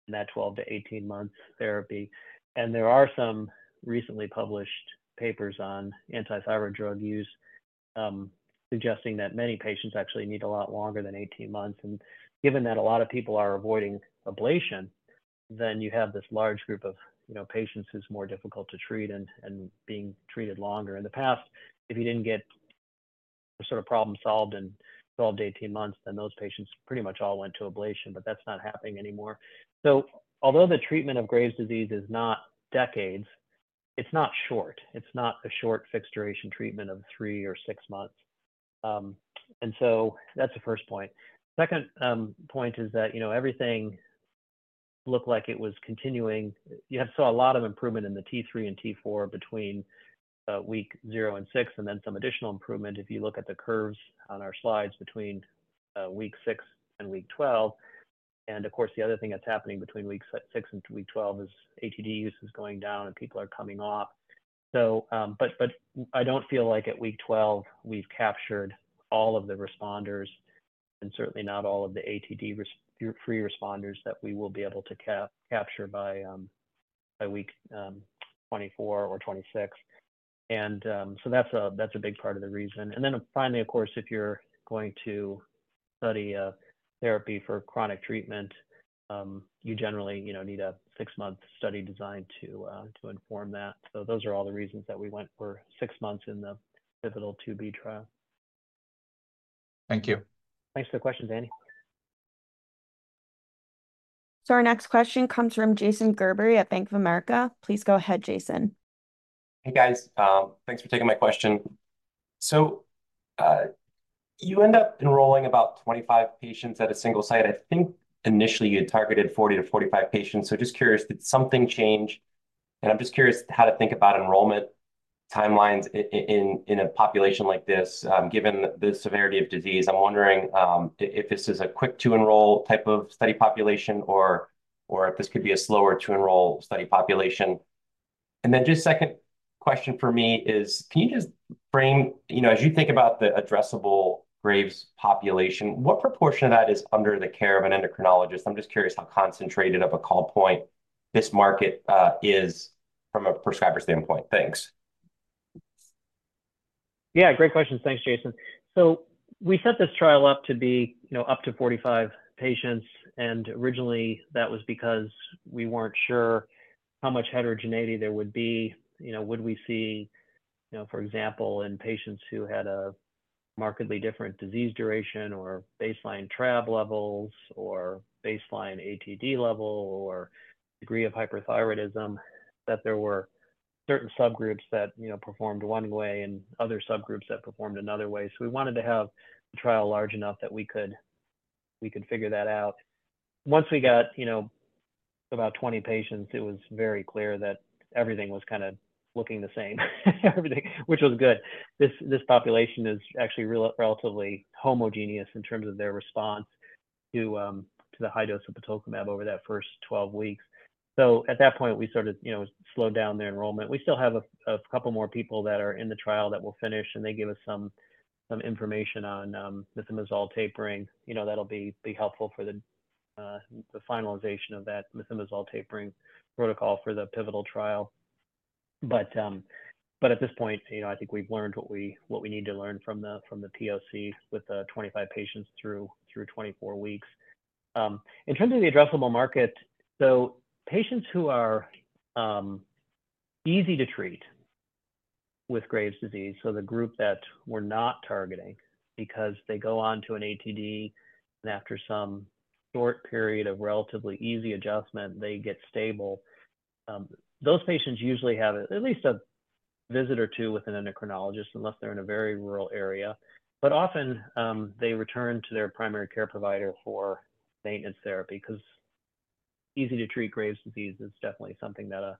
and that 12 to 18 months therapy. And there are some recently published papers on anti-thyroid drug use suggesting that many patients actually need a lot longer than 18 months. And given that a lot of people are avoiding ablation, then you have this large group of, you know, patients who's more difficult to treat and being treated longer. In the past, if you didn't get a sort of problem solved in 12 to 18 months, then those patients pretty much all went to ablation, but that's not happening anymore, so although the treatment of Graves' disease is not decades, it's not short. It's not a short, fixed duration treatment of three or six months, and so that's the first point. Second, point is that, you know, everything looked like it was continuing. You have saw a lot of improvement in the T3 and T4 between week zero and six, and then some additional improvement if you look at the curves on our slides between week six and week 12. And of course, the other thing that's happening between weeks six and week 12 is ATD use is going down, and people are coming off. So, but I don't feel like at week 12, we've captured all of the responders, and certainly not all of the ATD-free responders that we will be able to capture by week 24 or 26. And so that's a big part of the reason. And then finally, of course, if you're going to study a therapy for chronic treatment, you generally, you know, need a six-month study design to inform that. So those are all the reasons that we went for six months in the pivotal IIb trial. Thank you. Thanks for the question, Danny. So our next question comes from Jason Gerberry at Bank of America. Please go ahead, Jason. Hey, guys. Thanks for taking my question. So, you end up enrolling about 25 patients at a single site. I think initially you had targeted 40 to 45 patients. So just curious, did something change? And I'm just curious how to think about enrollment timelines in a population like this, given the severity of disease. I'm wondering if this is a quick-to-enroll type of study population or if this could be a slower-to-enroll study population. And then just second question for me is, can you just frame—you know, as you think about the addressable Graves' population, what proportion of that is under the care of an endocrinologist? I'm just curious how concentrated of a call point this market is from a prescriber standpoint. Thanks. Yeah, great questions. Thanks, Jason. So we set this trial up to be, you know, up to 45 patients, and originally, that was because we weren't sure how much heterogeneity there would be. You know, would we see, you know, for example, in patients who had a markedly different disease duration or baseline TRAb levels or baseline ATD level or degree of hyperthyroidism, that there were certain subgroups that, you know, performed one way and other subgroups that performed another way. So we wanted to have the trial large enough that we could figure that out. Once we got, you know, about 20 patients, it was very clear that everything was kind of looking the same, everything, which was good. This population is actually relatively homogeneous in terms of their response to the high dose of sotolimonab over that first 12 weeks. So at that point, we started, you know, slowed down their enrollment. We still have a couple more people that are in the trial that will finish, and they give us some information on methimazole tapering. You know, that'll be helpful for the finalization of that methimazole tapering protocol for the pivotal trial. But at this point, you know, I think we've learned what we need to learn from the POC with the 25 patients through 24 weeks. In terms of the addressable market, so patients who are easy to treat with Graves' disease, so the group that we're not targeting because they go on to an ATD, and after some short period of relatively easy adjustment, they get stable. Those patients usually have at least a visit or two with an endocrinologist, unless they're in a very rural area. But often, they return to their primary care provider for maintenance therapy 'cause easy-to-treat Graves' disease is definitely something that a,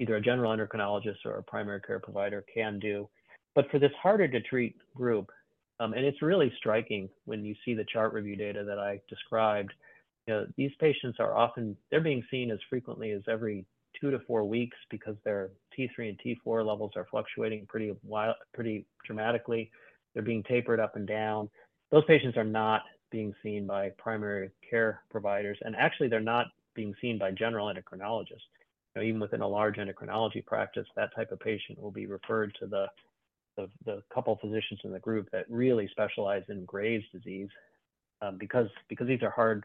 either a general endocrinologist or a primary care provider can do. But for this harder to treat group, and it's really striking when you see the chart review data that I described, you know, these patients are often. They're being seen as frequently as every two to four weeks because their T3 and T4 levels are fluctuating pretty dramatically. They're being tapered up and down. Those patients are not being seen by primary care providers, and actually, they're not being seen by general endocrinologists. You know, even within a large endocrinology practice, that type of patient will be referred to the couple of physicians in the group that really specialize in Graves' disease, because these are hard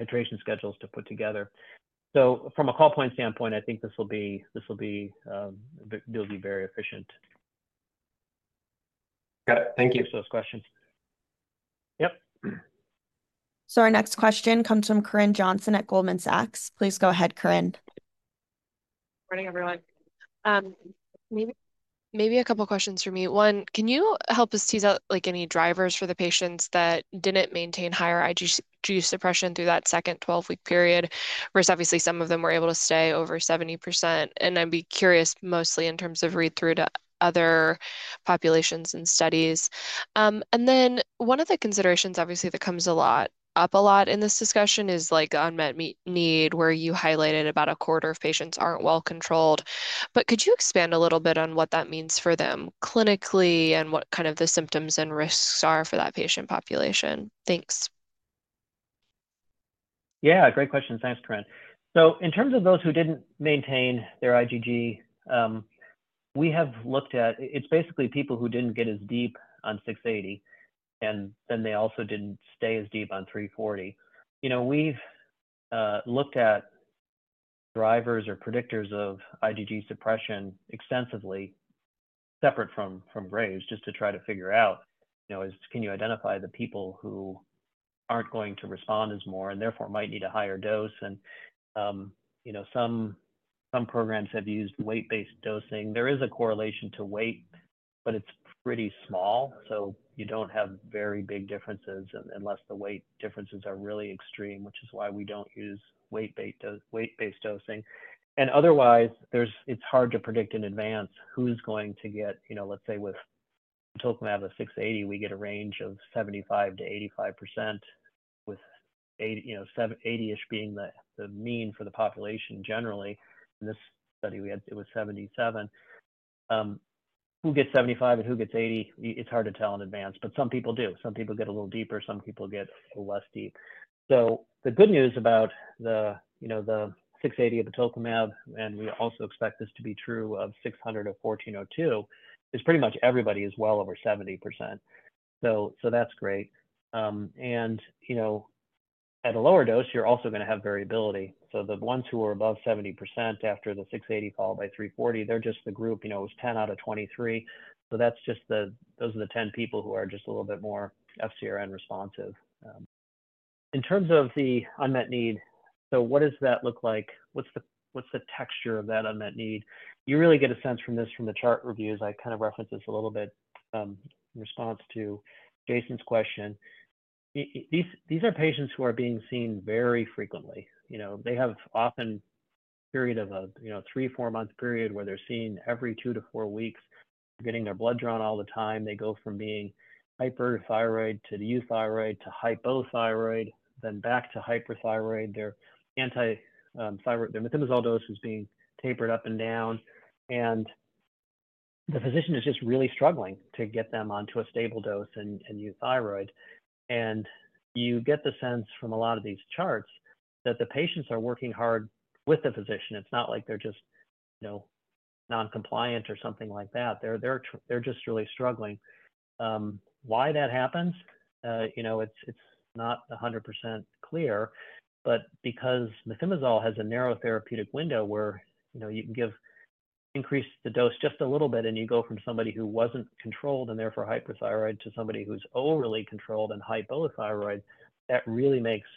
titration schedules to put together. So from a call point standpoint, I think this will be very efficient. Got it. Thank you. Thanks for those questions. Yep. So our next question comes from Corinne Jenkins at Goldman Sachs. Please go ahead, Corinne.... Morning, everyone. Maybe, maybe a couple questions from me. One, can you help us tease out, like, any drivers for the patients that didn't maintain higher IgG suppression through that second 12-week period? Whereas obviously some of them were able to stay over 70%, and I'd be curious, mostly in terms of read-through to other populations and studies. And then one of the considerations, obviously, that comes a lot, up a lot in this discussion is, like, unmet need, where you highlighted about a quarter of patients aren't well controlled. But could you expand a little bit on what that means for them clinically, and what kind of the symptoms and risks are for that patient population? Thanks. Yeah, great question. Thanks, Corinne. So in terms of those who didn't maintain their IgG, we have looked at. It's basically people who didn't get as deep on 680, and then they also didn't stay as deep on 340. You know, we've looked at drivers or predictors of IgG suppression extensively, separate from Graves, just to try to figure out, you know, can you identify the people who aren't going to respond as more and therefore might need a higher dose? And, you know, some programs have used weight-based dosing. There is a correlation to weight, but it's pretty small, so you don't have very big differences unless the weight differences are really extreme, which is why we don't use weight-based dosing. Otherwise, there's it's hard to predict in advance who's going to get, you know, let's say with 680, we get a range of 75%-85%, with 80, you know, 78-ish being the mean for the population generally. In this study, we had, it was 77%. Who gets 75 and who gets 80? It's hard to tell in advance, but some people do. Some people get a little deeper, some people get less deep. The good news about the, you know, the 680 of batoclimab, and we also expect this to be true of 600 of IMVT-1402, is pretty much everybody is well over 70%. That's great. And, you know, at a lower dose, you're also gonna have variability. So the ones who are above 70% after the 680 followed by 340, they're just the group, you know, it was 10 out of 23. So that's just the... those are the 10 people who are just a little bit more FcRn responsive. In terms of the unmet need, so what does that look like? What's the texture of that unmet need? You really get a sense from this, from the chart reviews. I kind of referenced this a little bit in response to Jason's question. These are patients who are being seen very frequently. You know, they have often a period of a 3-4-month period where they're seen every two to four weeks, getting their blood drawn all the time. They go from being hyperthyroid to euthyroid, to hypothyroid, then back to hyperthyroid. Their anti-thyroid methimazole dose is being tapered up and down, and the physician is just really struggling to get them onto a stable dose and euthyroid, and you get the sense from a lot of these charts that the patients are working hard with the physician. It's not like they're just, you know, non-compliant or something like that. They're just really struggling. Why that happens? You know, it's not 100% clear, but because methimazole has a narrow therapeutic window where, you know, you can give, increase the dose just a little bit, and you go from somebody who wasn't controlled and therefore hyperthyroid, to somebody who's overly controlled and hypothyroid, that really makes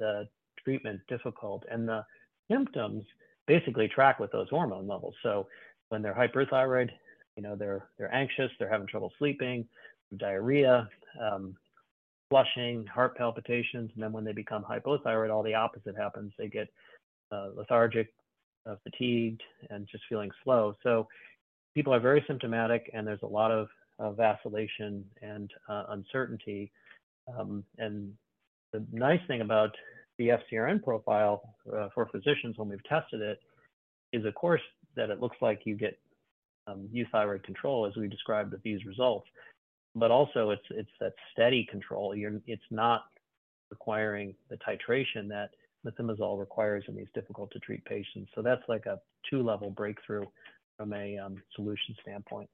the treatment difficult, and the symptoms basically track with those hormone levels. So when they're hyperthyroid, you know, they're anxious, they're having trouble sleeping, diarrhea, flushing, heart palpitations, and then when they become hypothyroid, all the opposite happens, they get lethargic, fatigued, and just feeling slow, so people are very symptomatic, and there's a lot of vacillation and uncertainty, and the nice thing about the FcRn profile for physicians when we've tested it is, of course, that it looks like you get euthyroid control, as we described with these results, but also, it's that steady control. It's not requiring the titration that methimazole requires in these difficult-to-treat patients, so that's like a two-level breakthrough from a solution standpoint.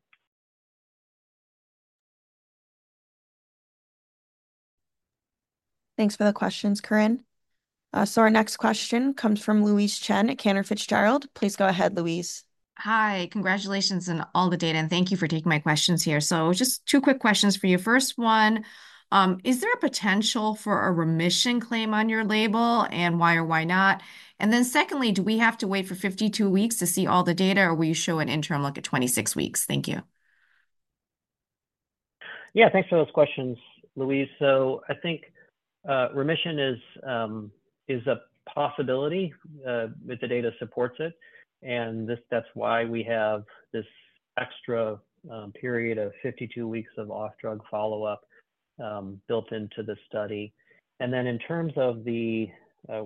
Thanks for the questions, Corinne. So our next question comes from Louise Chen at Cantor Fitzgerald. Please go ahead, Louise. Hi. Congratulations on all the data, and thank you for taking my questions here. So just two quick questions for you. First one, is there a potential for a remission claim on your label, and why or why not? And then secondly, do we have to wait for 52 weeks to see all the data, or will you show an interim look at 26 weeks? Thank you. Yeah, thanks for those questions, Louise. So I think remission is a possibility if the data supports it, and that's why we have this extra period of 52 weeks of off-drug follow-up built into the study. Then in terms of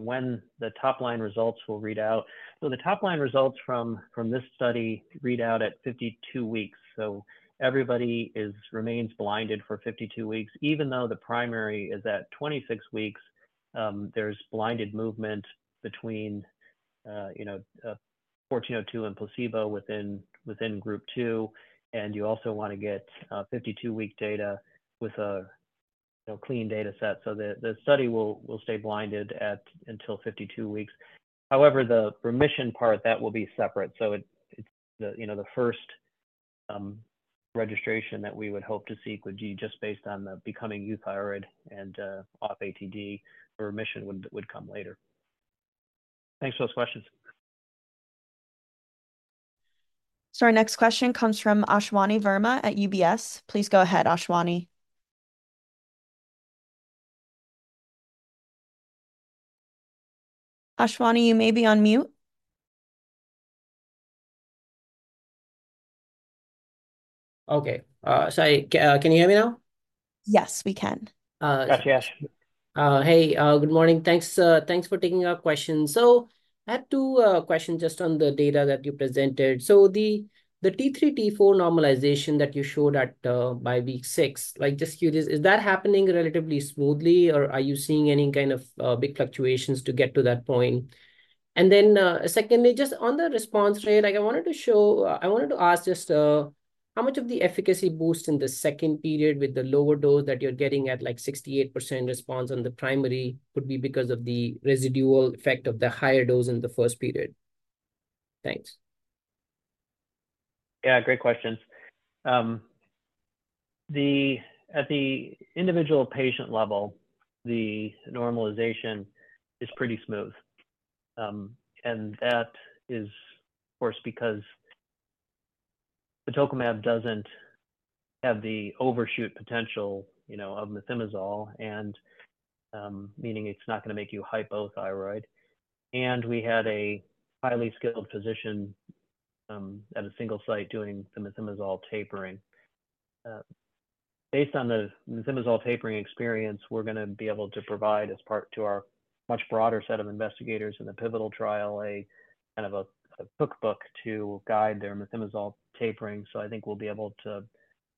when the top-line results will read out, so the top-line results from this study read out at 52 weeks. So everybody remains blinded for 52 weeks, even though the primary is at 26 weeks. There's blinded movement between 1402 and placebo within group 2, and you also want to get 52-week data with a clean data set. So the study will stay blinded until 52 weeks. However, the remission part, that will be separate. So it, you know, the first-... Registration that we would hope to seek would be just based on the becoming euthyroid and off ATD. The remission would come later. Thanks for those questions. So our next question comes from Ashwani Verma at UBS. Please go ahead, Ashwani. Ashwani, you may be on mute. Okay, sorry, can you hear me now? Yes, we can. Yes, yes. Hey, good morning. Thanks for taking our question. So I had two questions just on the data that you presented. So the T3, T4 normalization that you showed, by week six, like, just curious, is that happening relatively smoothly, or are you seeing any kind of big fluctuations to get to that point? And then, secondly, just on the response rate, like, I wanted to ask just, how much of the efficacy boost in the second period with the lower dose that you're getting at, like, 68% response on the primary, could be because of the residual effect of the higher dose in the first period? Thanks. Yeah, great questions. At the individual patient level, the normalization is pretty smooth. And that is, of course, because batoclimab doesn't have the overshoot potential, you know, of methimazole, and meaning it's not going to make you hypothyroid. And we had a highly skilled physician at a single site doing the methimazole tapering. Based on the methimazole tapering experience, we're going to be able to provide, as part to our much broader set of investigators in the pivotal trial, a kind of a book to guide their methimazole tapering. So I think we'll be able to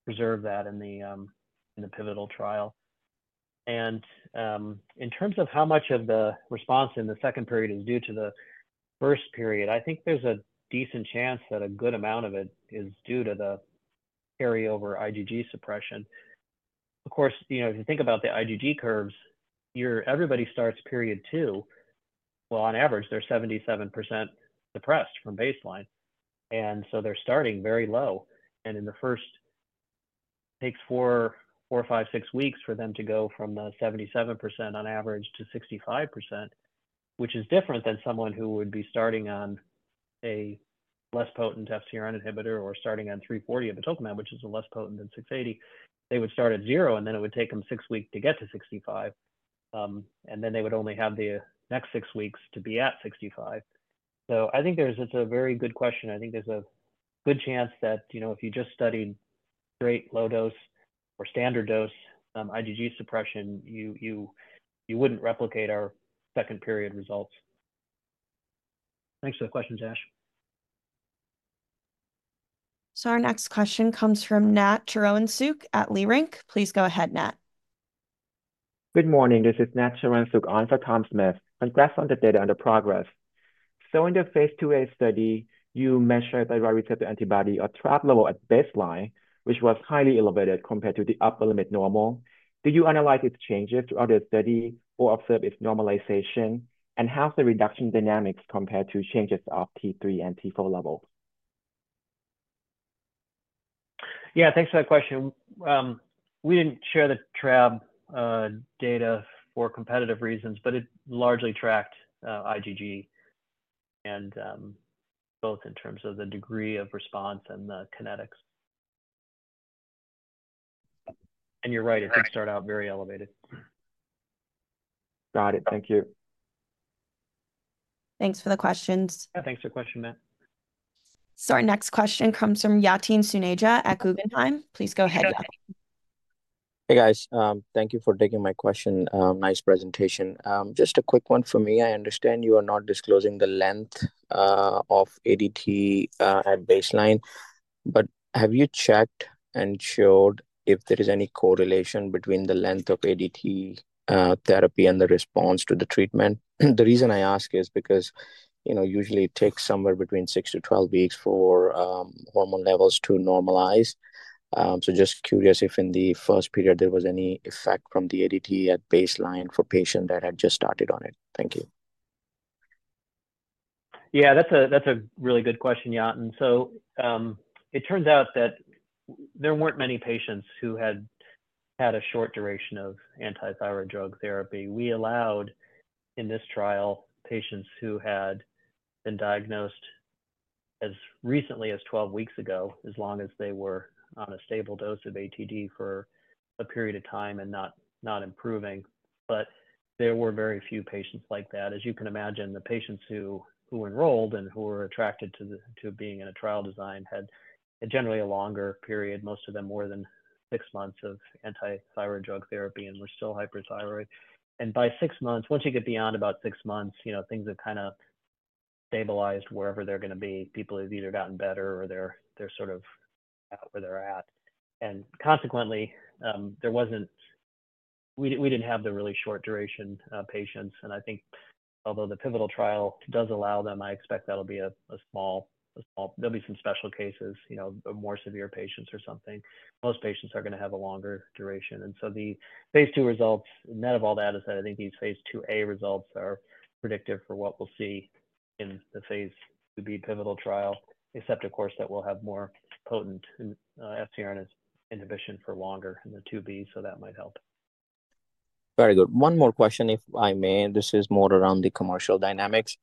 preserve that in the pivotal trial. In terms of how much of the response in the second period is due to the first period, I think there's a decent chance that a good amount of it is due to the carryover IgG suppression. Of course, you know, if you think about the IgG curves, everybody starts period two, well, on average, they're 77% depressed from baseline, and so they're starting very low. In the first, it takes four, five, six weeks for them to go from the 77% on average to 65%, which is different than someone who would be starting on a less potent FcRn inhibitor or starting on 340 of batoclimab, which is less potent than 680. They would start at zero, and then it would take them six weeks to get to 65, and then they would only have the next six weeks to be at 65. So I think there's... It's a very good question. I think there's a good chance that, you know, if you just studied straight low dose or standard dose, IgG suppression, you wouldn't replicate our second period results. Thanks for the question, Ash. So our next question comes from Nat Charoensuk at Leerink. Please go ahead, Nat. Good morning. This is Nat Charoensook on for Tom Smith. Congrats on the data and the progress. So in the phase I-A study, you measured the antibody or TRAb level at baseline, which was highly elevated compared to the upper limit of normal. Do you analyze its changes throughout the study or observe its normalization? And how's the reduction dynamics compared to changes of T3 and T4 levels? Yeah, thanks for that question. We didn't share the TRAb data for competitive reasons, but it largely tracked IgG and both in terms of the degree of response and the kinetics. And you're right, it did start out very elevated. Got it. Thank you. Thanks for the questions. Yeah, thanks for the question, Nat. So our next question comes from Yatin Suneja at Guggenheim. Please go ahead, Yatin. Hey, guys. Thank you for taking my question. Nice presentation. Just a quick one for me. I understand you are not disclosing the length of ATD at baseline, but have you checked and showed if there is any correlation between the length of ATD therapy and the response to the treatment? The reason I ask is because, you know, usually it takes somewhere between 6-12 weeks for hormone levels to normalize. So just curious if in the first period there was any effect from the ATD at baseline for patient that had just started on it. Thank you. Yeah, that's a, that's a really good question, Yatin. So, it turns out that there weren't many patients who had had a short duration of antithyroid drug therapy. We allowed, in this trial, patients who had been diagnosed as recently as 12 weeks ago, as long as they were on a stable dose of ATD for a period of time and not, not improving. But there were very few patients like that. As you can imagine, the patients who, who enrolled and who were attracted to the- to being in a trial design had generally a longer period, most of them more than six months of antithyroid drug therapy and were still hyperthyroid. And by six months, once you get beyond about six months, you know, things have kind of stabilized wherever they're going to be. People have either gotten better or they're, they're sort of where they're at. Consequently, we didn't have the really short duration patients. I think although the pivotal trial does allow them, I expect that'll be a small. There'll be some special cases, you know, the more severe patients or something. Most patients are going to have a longer duration. So the phase II results, net of all that, is that I think these phase II A results are predictive for what we'll see in the phase II-B pivotal trial, except, of course, that we'll have more potent FcRn inhibition for longer in the 2b, so that might help. Very good. One more question, if I may. This is more around the commercial dynamics.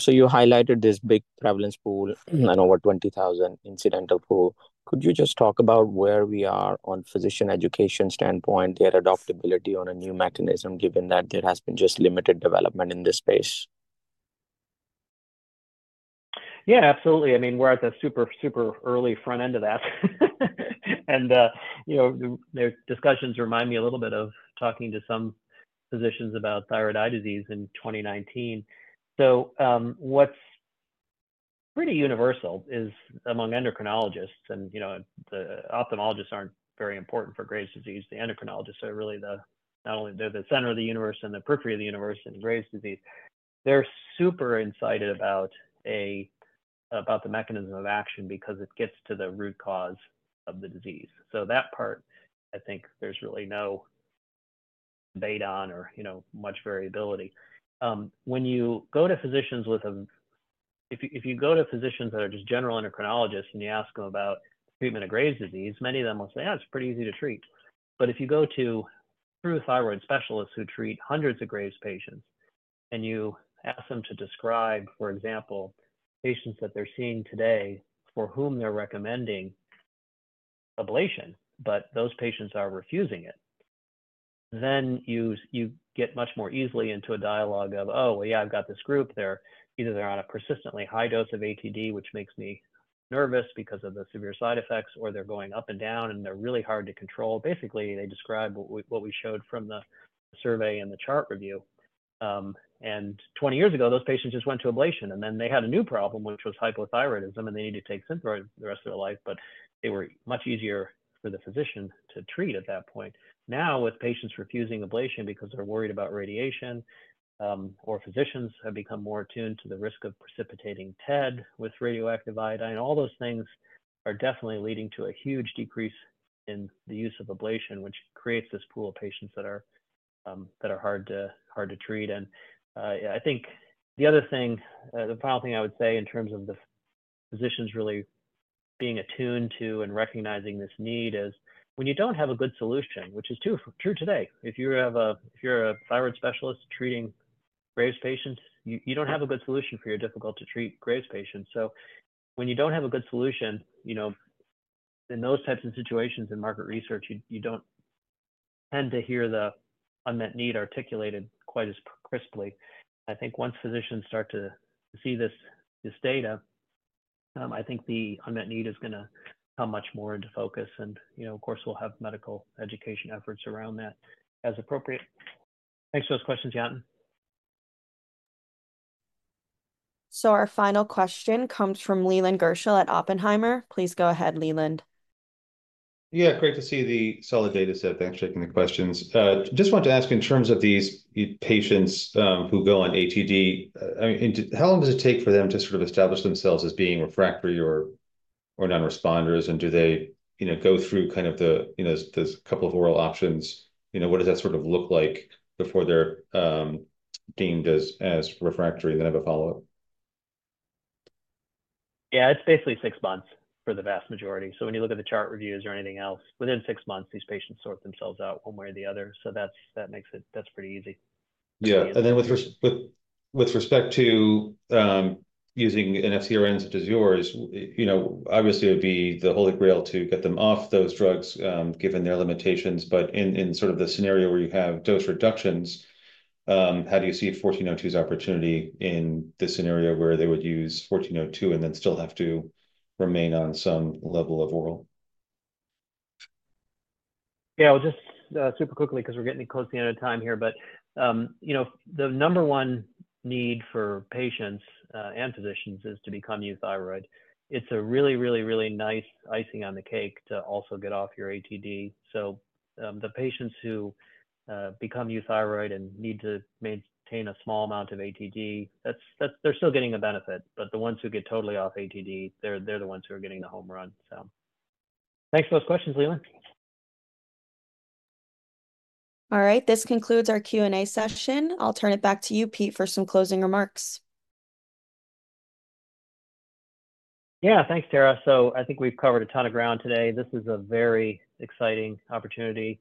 So you highlighted this big prevalence pool and over 20,000 incidental pool. Could you just talk about where we are on physician education standpoint, their adoptability on a new mechanism, given that there has been just limited development in this space? Yeah, absolutely. I mean, we're at the super, super early front end of that. And, you know, the discussions remind me a little bit of talking to some physicians about thyroid eye disease in 2019. So, what's pretty universal is among endocrinologists, and, you know, the ophthalmologists aren't very important for Graves' disease. The endocrinologists are really the, not only they're the center of the universe and the periphery of the universe in Graves' disease. They're super excited about the mechanism of action because it gets to the root cause of the disease. So that part, I think there's really no debate on or, you know, much variability. When you go to physicians that are just general endocrinologists, and you ask them about treatment of Graves' disease, many of them will say, "Yeah, it's pretty easy to treat." But if you go to true thyroid specialists who treat hundreds of Graves' patients, and you ask them to describe, for example, patients that they're seeing today for whom they're recommending ablation, but those patients are refusing it, then you get much more easily into a dialogue of, oh, well, yeah, I've got this group. They're either on a persistently high dose of ATD, which makes me nervous because of the severe side effects, or they're going up and down, and they're really hard to control. Basically, they describe what we showed from the survey and the chart review. And 20 years ago, those patients just went to ablation, and then they had a new problem, which was hypothyroidism, and they needed to take Synthroid for the rest of their life, but they were much easier for the physician to treat at that point. Now, with patients refusing ablation because they're worried about radiation, or physicians have become more attuned to the risk of precipitating TED with radioactive iodine, all those things are definitely leading to a huge decrease in the use of ablation, which creates this pool of patients that are hard to treat. And I think the other thing, the final thing I would say in terms of the physicians really being attuned to and recognizing this need is when you don't have a good solution, which is true today. If you're a thyroid specialist treating Graves' patients, you don't have a good solution for your difficult-to-treat Graves' patients. So when you don't have a good solution, you know, in those types of situations in market research, you don't tend to hear the unmet need articulated quite as crisply. I think once physicians start to see this data, I think the unmet need is gonna come much more into focus. And, you know, of course, we'll have medical education efforts around that as appropriate. Thanks for those questions, Yatin. So our final question comes from Leland Gerschel at Oppenheimer. Please go ahead, Leland. Yeah, great to see the solid data set. Thanks for taking the questions. Just wanted to ask, in terms of these patients, who go on ATD, I mean, how long does it take for them to sort of establish themselves as being refractory or non-responders? And do they, you know, go through kind of the, you know, this couple of oral options? You know, what does that sort of look like before they're deemed as refractory? Then I have a follow-up. Yeah, it's basically six months for the vast majority. So when you look at the chart reviews or anything else, within six months, these patients sort themselves out one way or the other. So that's, that makes it... That's pretty easy. Yeah. And then with respect to using an FcRn such as yours, you know, obviously, it would be the holy grail to get them off those drugs, given their limitations. But in sort of the scenario where you have dose reductions, how do you see 1402's opportunity in this scenario, where they would use 1402 and then still have to remain on some level of oral? Yeah, I'll just super quickly because we're getting close to the end of time here. But you know, the number one need for patients and physicians is to become euthyroid. It's a really, really, really nice icing on the cake to also get off your ATD. So the patients who become euthyroid and need to maintain a small amount of ATD, that's - they're still getting a benefit, but the ones who get totally off ATD, they're the ones who are getting the home run. So thanks for those questions, Leland. All right, this concludes our Q&A session. I'll turn it back to you, Pete, for some closing remarks. Yeah, thanks, Tara. So I think we've covered a ton of ground today. This is a very exciting opportunity.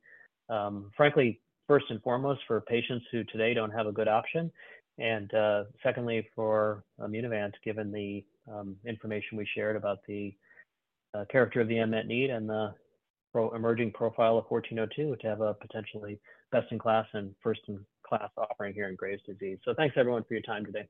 Frankly, first and foremost, for patients who today don't have a good option, and secondly, for Immunovant, given the information we shared about the character of the unmet need and the promising emerging profile of IMVT-1402, to have a potentially best-in-class and first-in-class offering here in Graves' disease. So thanks, everyone, for your time today.